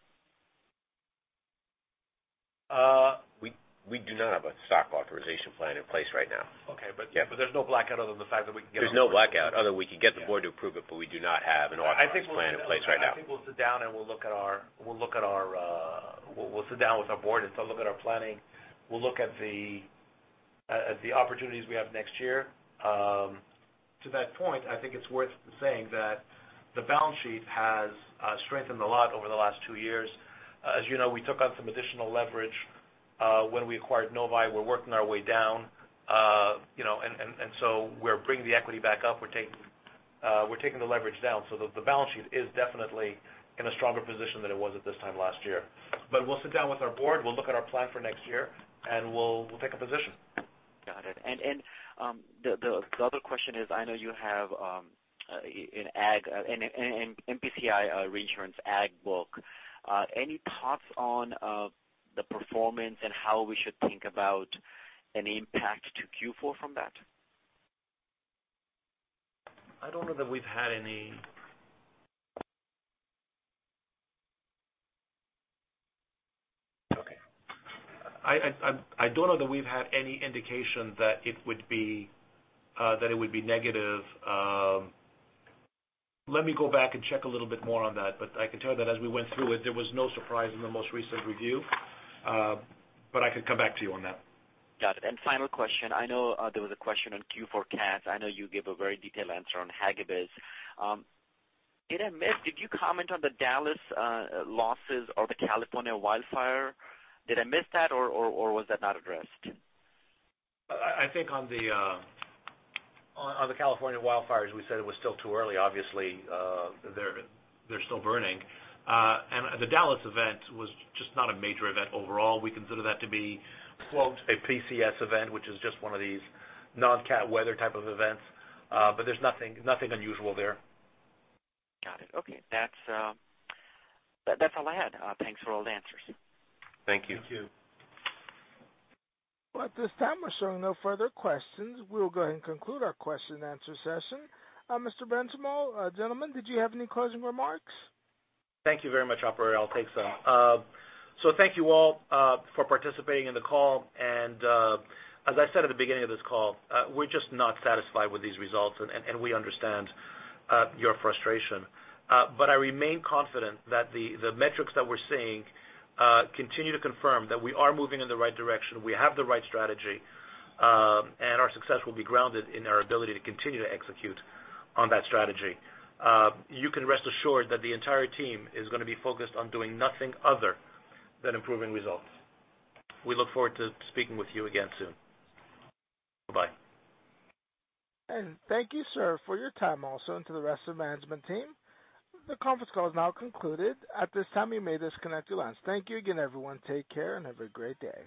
S4: We do not have a stock authorization plan in place right now.
S3: Okay, there's no blackout other than the fact that we can get.
S4: There's no blackout, other we can get the board to approve it, but we do not have an authorization plan in place right now.
S3: I think we'll sit down with our board and still look at our planning. We'll look at the opportunities we have next year. To that point, I think it's worth saying that the balance sheet has strengthened a lot over the last two years. As you know, we took on some additional leverage when we acquired Novae. We're working our way down. We're bringing the equity back up. We're taking the leverage down. The balance sheet is definitely in a stronger position than it was at this time last year. We'll sit down with our board, we'll look at our plan for next year, and we'll take a position.
S5: Got it. The other question is, I know you have an MPCI reinsurance ag book. Any thoughts on the performance and how we should think about an impact to Q4 from that?
S3: I don't know that we've had any Okay. I don't know that we've had any indication that it would be negative. Let me go back and check a little bit more on that, but I can tell you that as we went through it, there was no surprise in the most recent review. I could come back to you on that.
S5: Got it. Final question, I know there was a question on Q4 CATs. I know you gave a very detailed answer on Hagibis. Did I miss, did you comment on the Dallas losses or the California wildfire? Did I miss that or was that not addressed?
S3: I think on the California wildfires, we said it was still too early. Obviously, they're still burning. The Dallas event was just not a major event overall. We consider that to be, quote, "a PCS event," which is just one of these non-CAT weather type of events. There's nothing unusual there.
S5: Got it. Okay. That's all I had. Thanks for all the answers.
S3: Thank you.
S4: Thank you.
S1: Well, at this time, we're showing no further questions. We'll go ahead and conclude our question and answer session. Mr. Benchimol, gentlemen, did you have any closing remarks?
S3: Thank you very much, operator. I'll take some. Thank you all for participating in the call. As I said at the beginning of this call, we're just not satisfied with these results, and we understand your frustration. I remain confident that the metrics that we're seeing continue to confirm that we are moving in the right direction, we have the right strategy, and our success will be grounded in our ability to continue to execute on that strategy. You can rest assured that the entire team is going to be focused on doing nothing other than improving results. We look forward to speaking with you again soon. Bye-bye.
S1: Thank you, sir, for your time also, and to the rest of the management team. The conference call is now concluded. At this time, you may disconnect your lines. Thank you again, everyone. Take care and have a great day.